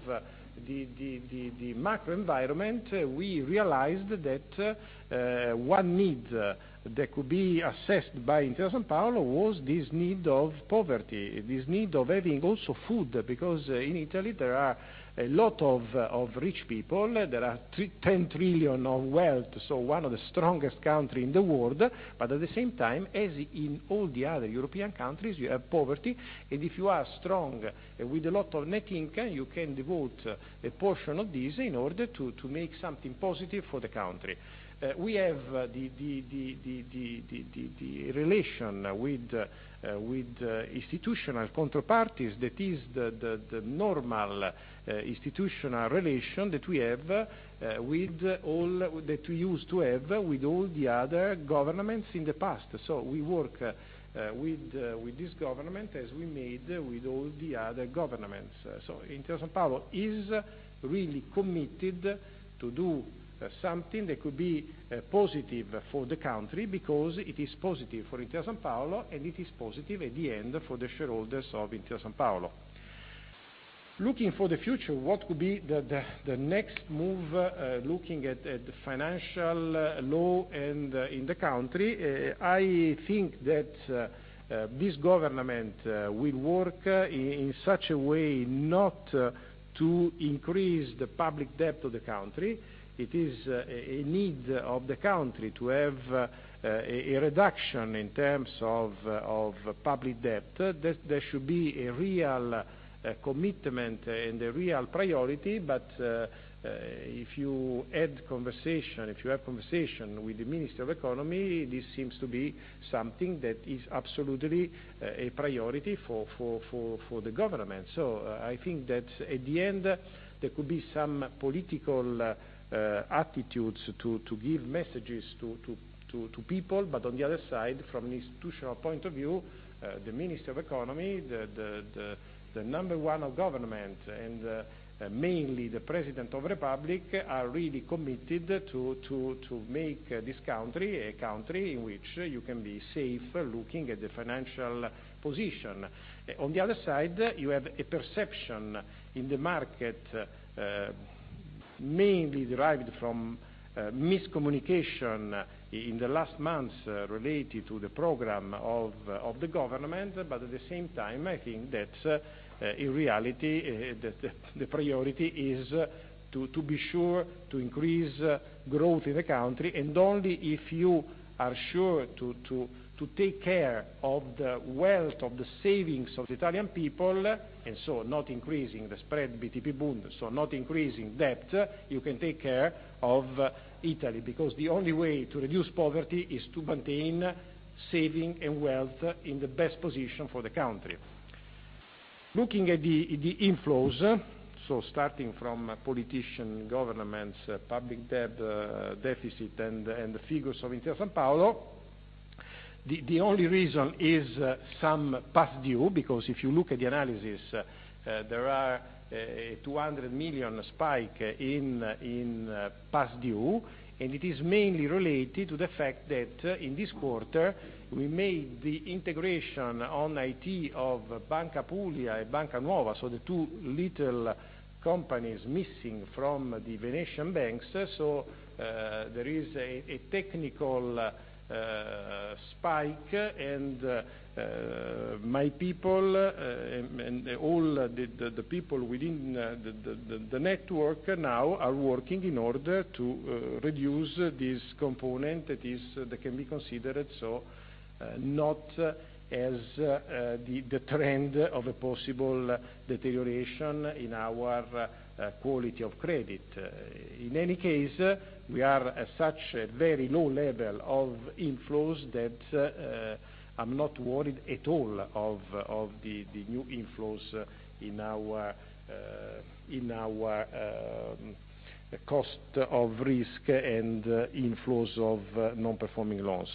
the macro environment, we realized that one need that could be assessed by Intesa Sanpaolo was this need of poverty, this need of having also food, because in Italy there are a lot of rich people. There are 10 trillion of wealth, so one of the strongest country in the world. At the same time, as in all the other European countries, we have poverty, and if you are strong with a lot of net income, you can devote a portion of this in order to make something positive for the country. We have the relation with institutional counterparties, that is the normal institutional relation that we used to have with all the other governments in the past. We work with this government as we made with all the other governments. Intesa Sanpaolo is really committed to do something that could be positive for the country, because it is positive for Intesa Sanpaolo, and it is positive at the end for the shareholders of Intesa Sanpaolo. Looking for the future, what could be the next move looking at the financial law in the country, I think that this government will work in such a way not to increase the public debt of the country. It is a need of the country to have a reduction in terms of public debt. There should be a real commitment and a real priority, but if you have conversation with the Minister of Economy, this seems to be something that is absolutely a priority for the government. I think that at the end, there could be some political attitudes to give messages to people, but on the other side, from an institutional point of view, the Minister of Economy, the number one of government, and mainly the President of the Republic, are really committed to make this country a country in which you can be safe looking at the financial position. On the other side, you have a perception in the market, mainly derived from miscommunication in the last months related to the program of the government. At the same time, I think that in reality, the priority is to be sure to increase growth in the country, and only if you are sure to take care of the wealth, of the savings of the Italian people, not increasing the spread BTP Bund, not increasing debt, you can take care of Italy, because the only way to reduce poverty is to maintain saving and wealth in the best position for the country. Looking at the inflows, starting from politician, governments, public debt, deficit, and the figures of Intesa Sanpaolo, the only reason is some past due, because if you look at the analysis, there are 200 million spike in past due, and it is mainly related to the fact that in this quarter, we made the integration on IT of Banca Apulia and Banca Nuova, so the two little companies missing from the Venetian banks. There is a technical spike, and my people, and all the people within the network now are working in order to reduce this component that can be considered so not as the trend of a possible deterioration in our quality of credit. In any case, we are at such a very low level of inflows that I'm not worried at all of the new inflows in our cost of risk and inflows of non-performing loans.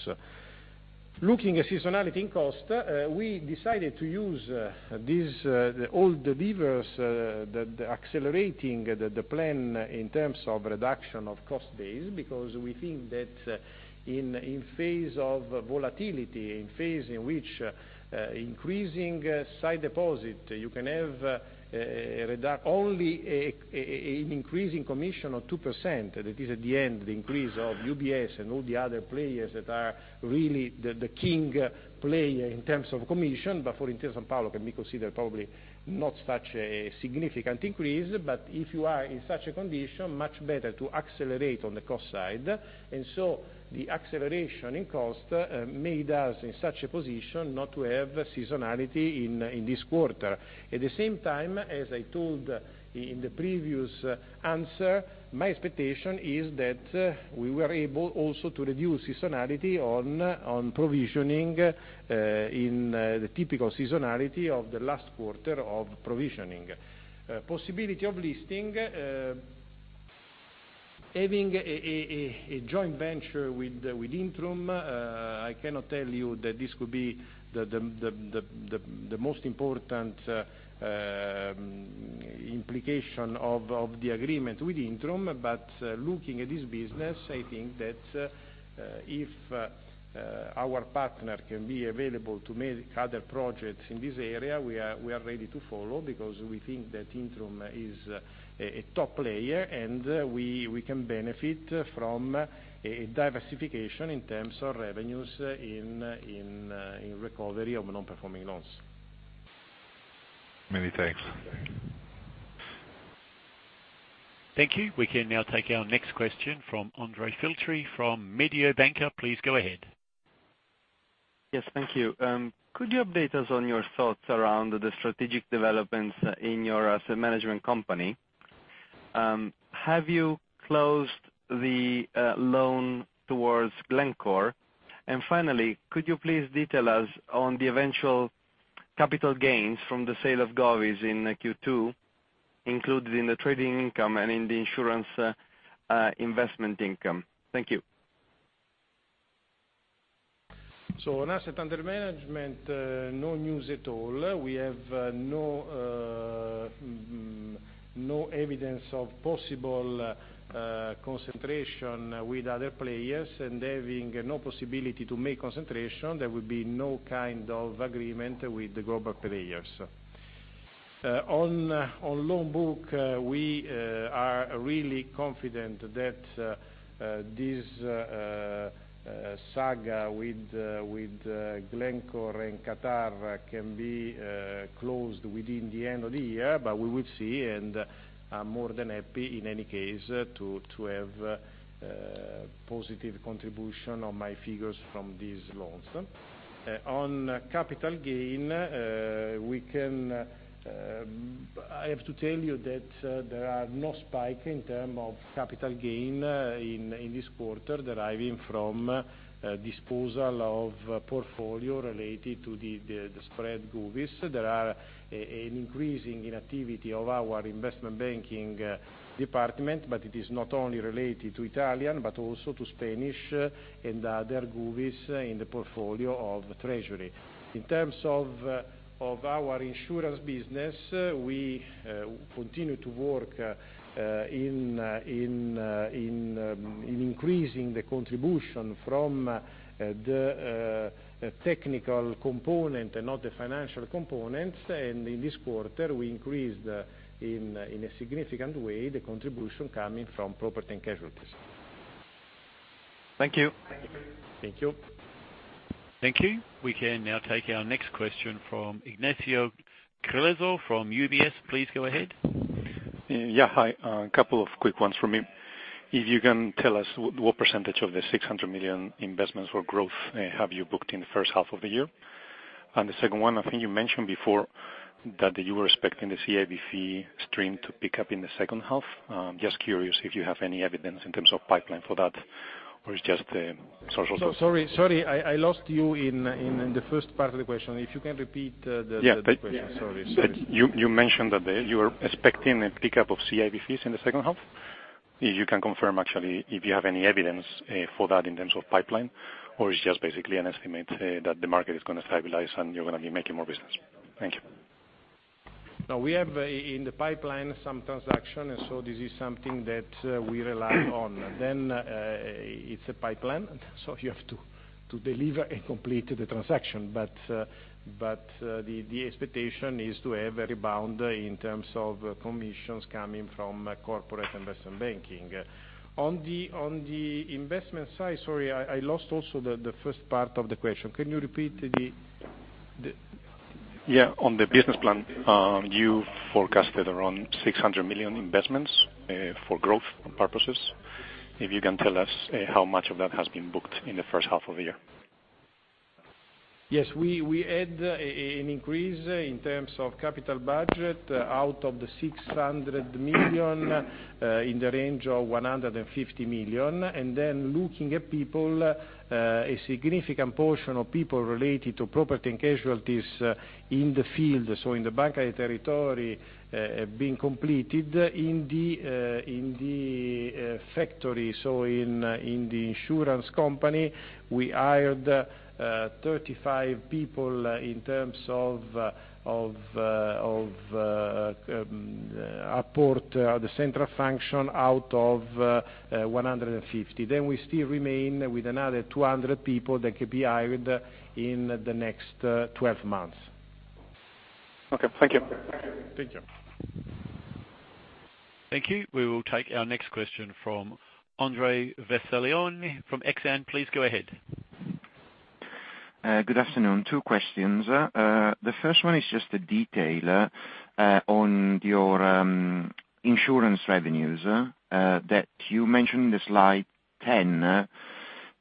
Looking at seasonality in cost, we decided to use all the levers, accelerating the plan in terms of reduction of cost base, because we think that in phase of volatility, in phase in which increasing side deposit, you can have only an increasing commission of 2%, that is at the end, the increase of UBS and all the other players that are really the king player in terms of commission, but for Intesa Sanpaolo can be considered probably not such a significant increase, but if you are in such a condition, much better to accelerate on the cost side. The acceleration in cost made us in such a position not to have seasonality in this quarter. At the same time, as I told in the previous answer, my expectation is that we were able also to reduce seasonality on provisioning in the typical seasonality of the last quarter of provisioning. Possibility of listing Having a joint venture with Intrum, I cannot tell you that this could be the most important implication of the agreement with Intrum. Looking at this business, I think that if our partner can be available to make other projects in this area, we are ready to follow, because we think that Intrum is a top player, and we can benefit from a diversification in terms of revenues in recovery of non-performing loans. Many thanks. Thank you. We can now take our next question from Andrea Filtri from Mediobanca. Please go ahead. Yes, thank you. Could you update us on your thoughts around the strategic developments in your asset management company? Have you closed the loan towards Glencore? Finally, could you please detail us on the eventual capital gains from the sale of govies in Q2, included in the trading income and in the insurance investment income? Thank you. On asset under management, no news at all. We have no evidence of possible concentration with other players. Having no possibility to make concentration, there will be no kind of agreement with the global players. On loan book, we are really confident that this saga with Glencore and Qatar can be closed within the end of the year. We will see, and I'm more than happy, in any case, to have positive contribution on my figures from these loans. On capital gain, I have to tell you that there are no spike in term of capital gain in this quarter deriving from disposal of portfolio related to the spread govies. There are an increasing in activity of our investment banking department, but it is not only related to Italian, but also to Spanish and other govies in the portfolio of treasury. In terms of our insurance business, we continue to work in increasing the contribution from the technical component and not the financial components. In this quarter, we increased, in a significant way, the contribution coming from property and casualties. Thank you. Thank you. Thank you. We can now take our next question from Ignacio Cerezo from UBS. Please go ahead. Hi. A couple of quick ones from me. If you can tell us what % of the 600 million investments for growth have you booked in the first half of the year? The second one, I think you mentioned before that you were expecting the CIB fee stream to pick up in the second half. I'm just curious if you have any evidence in terms of pipeline for that. Sorry, I lost you in the first part of the question. If you can repeat the question. Sorry. Yeah. You mentioned that you were expecting a pickup of CIB fees in the second half. If you can confirm, actually, if you have any evidence for that in terms of pipeline, or it's just basically an estimate that the market is going to stabilize, and you're going to be making more business. Thank you. We have in the pipeline some transaction, and so this is something that we rely on. It's a pipeline, so you have to deliver and complete the transaction. The expectation is to have a rebound in terms of commissions coming from corporate investment banking. On the investment side Sorry, I lost also the first part of the question. Can you repeat? Yeah. On the business plan, you forecasted around 600 million investments for growth purposes. If you can tell us how much of that has been booked in the first half of the year. Yes. We had an increase in terms of capital budget out of the 600 million, in the range of 150 million. Looking at people, a significant portion of people related to property and casualty in the field, so in the Banca dei Territori, being completed in the factory. So in the insurance company, we hired 35 people in terms of apport, the central function, out of 150. We still remain with another 200 people that could be hired in the next 12 months. Okay. Thank you. Thank you. Thank you. We will take our next question from Andrea Vercellone from Exane. Please go ahead. Good afternoon. Two questions. The first one is just a detail on your insurance revenues that you mentioned in slide 10, that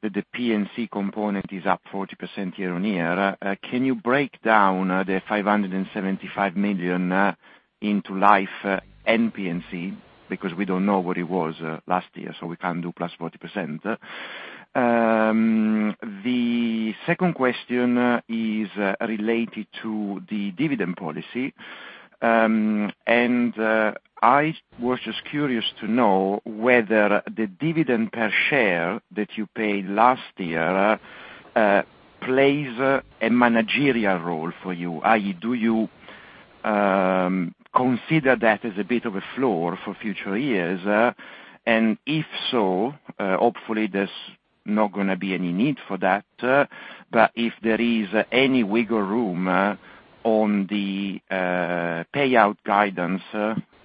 the P&C component is up 40% year-on-year. Can you break down the 575 million into life and P&C? Because we don't know what it was last year, so we can't do plus 40%. I was just curious to know whether the dividend per share that you paid last year, plays a managerial role for you. Do you consider that as a bit of a floor for future years? If so, hopefully there's not going to be any need for that. But if there is any wiggle room on the payout guidance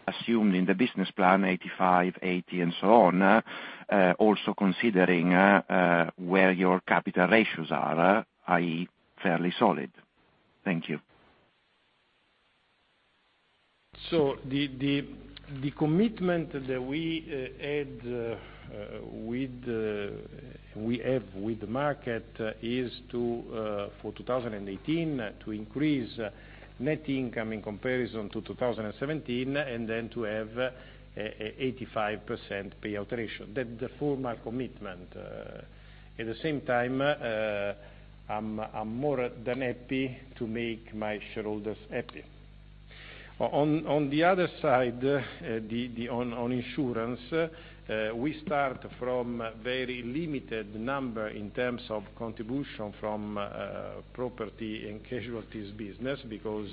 assumed in the business plan, 85%, 80%, and so on, also considering where your capital ratios are, i.e., fairly solid. Thank you. The commitment that we have with the market is, for 2018, to increase net income in comparison to 2017, and to have 85% payout ratio. That form our commitment. At the same time, I'm more than happy to make my shareholders happy. On the other side, on insurance, we start from very limited number in terms of contribution from property and casualty business, because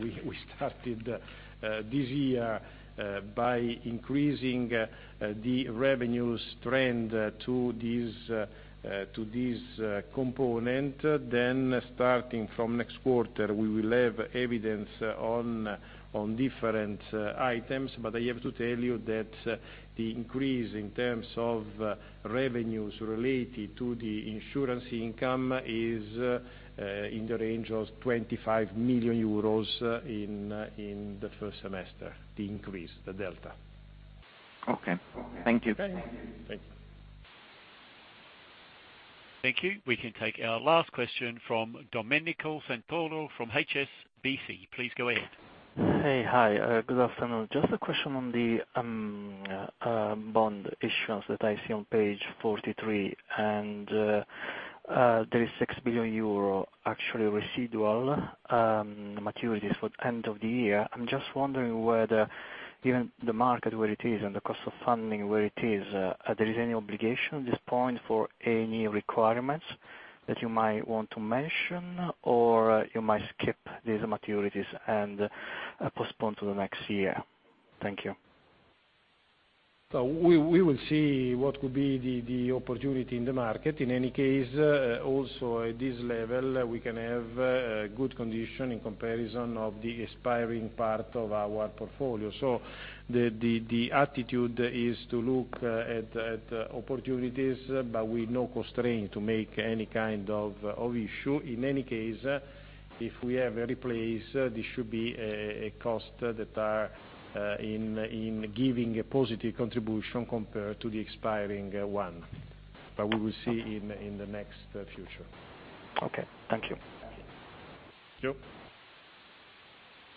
we started this year by increasing the revenues trend to this component. Starting from next quarter, we will have evidence on different items. I have to tell you that the increase in terms of revenues related to the insurance income is in the range of 25 million euros in the first semester, the increase, the delta. Okay. Thank you. Okay. Thanks. Thank you. We can take our last question from Domenico Santoro from HSBC. Please go ahead. Hey. Hi. Good afternoon. Just a question on the bond issuance that I see on page 43. There is 6 billion euro actually residual maturities for end of the year. I am just wondering whether given the market where it is and the cost of funding where it is, there is any obligation at this point for any requirements that you might want to mention, or you might skip these maturities and postpone to the next year. Thank you. We will see what could be the opportunity in the market. In any case, also at this level, we can have a good condition in comparison of the expiring part of our portfolio. The attitude is to look at opportunities, but with no constraint to make any kind of issue. In any case, if we have a replace, this should be a cost that are in giving a positive contribution compared to the expiring one. We will see in the next future. Okay. Thank you. Okay.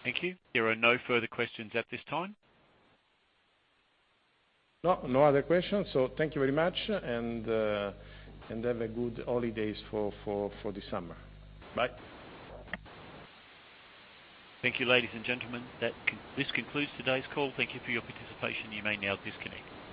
Thank you. There are no further questions at this time. No other questions. Thank you very much. Have a good holidays for the summer. Bye. Thank you, ladies and gentlemen. This concludes today's call. Thank you for your participation. You may now disconnect.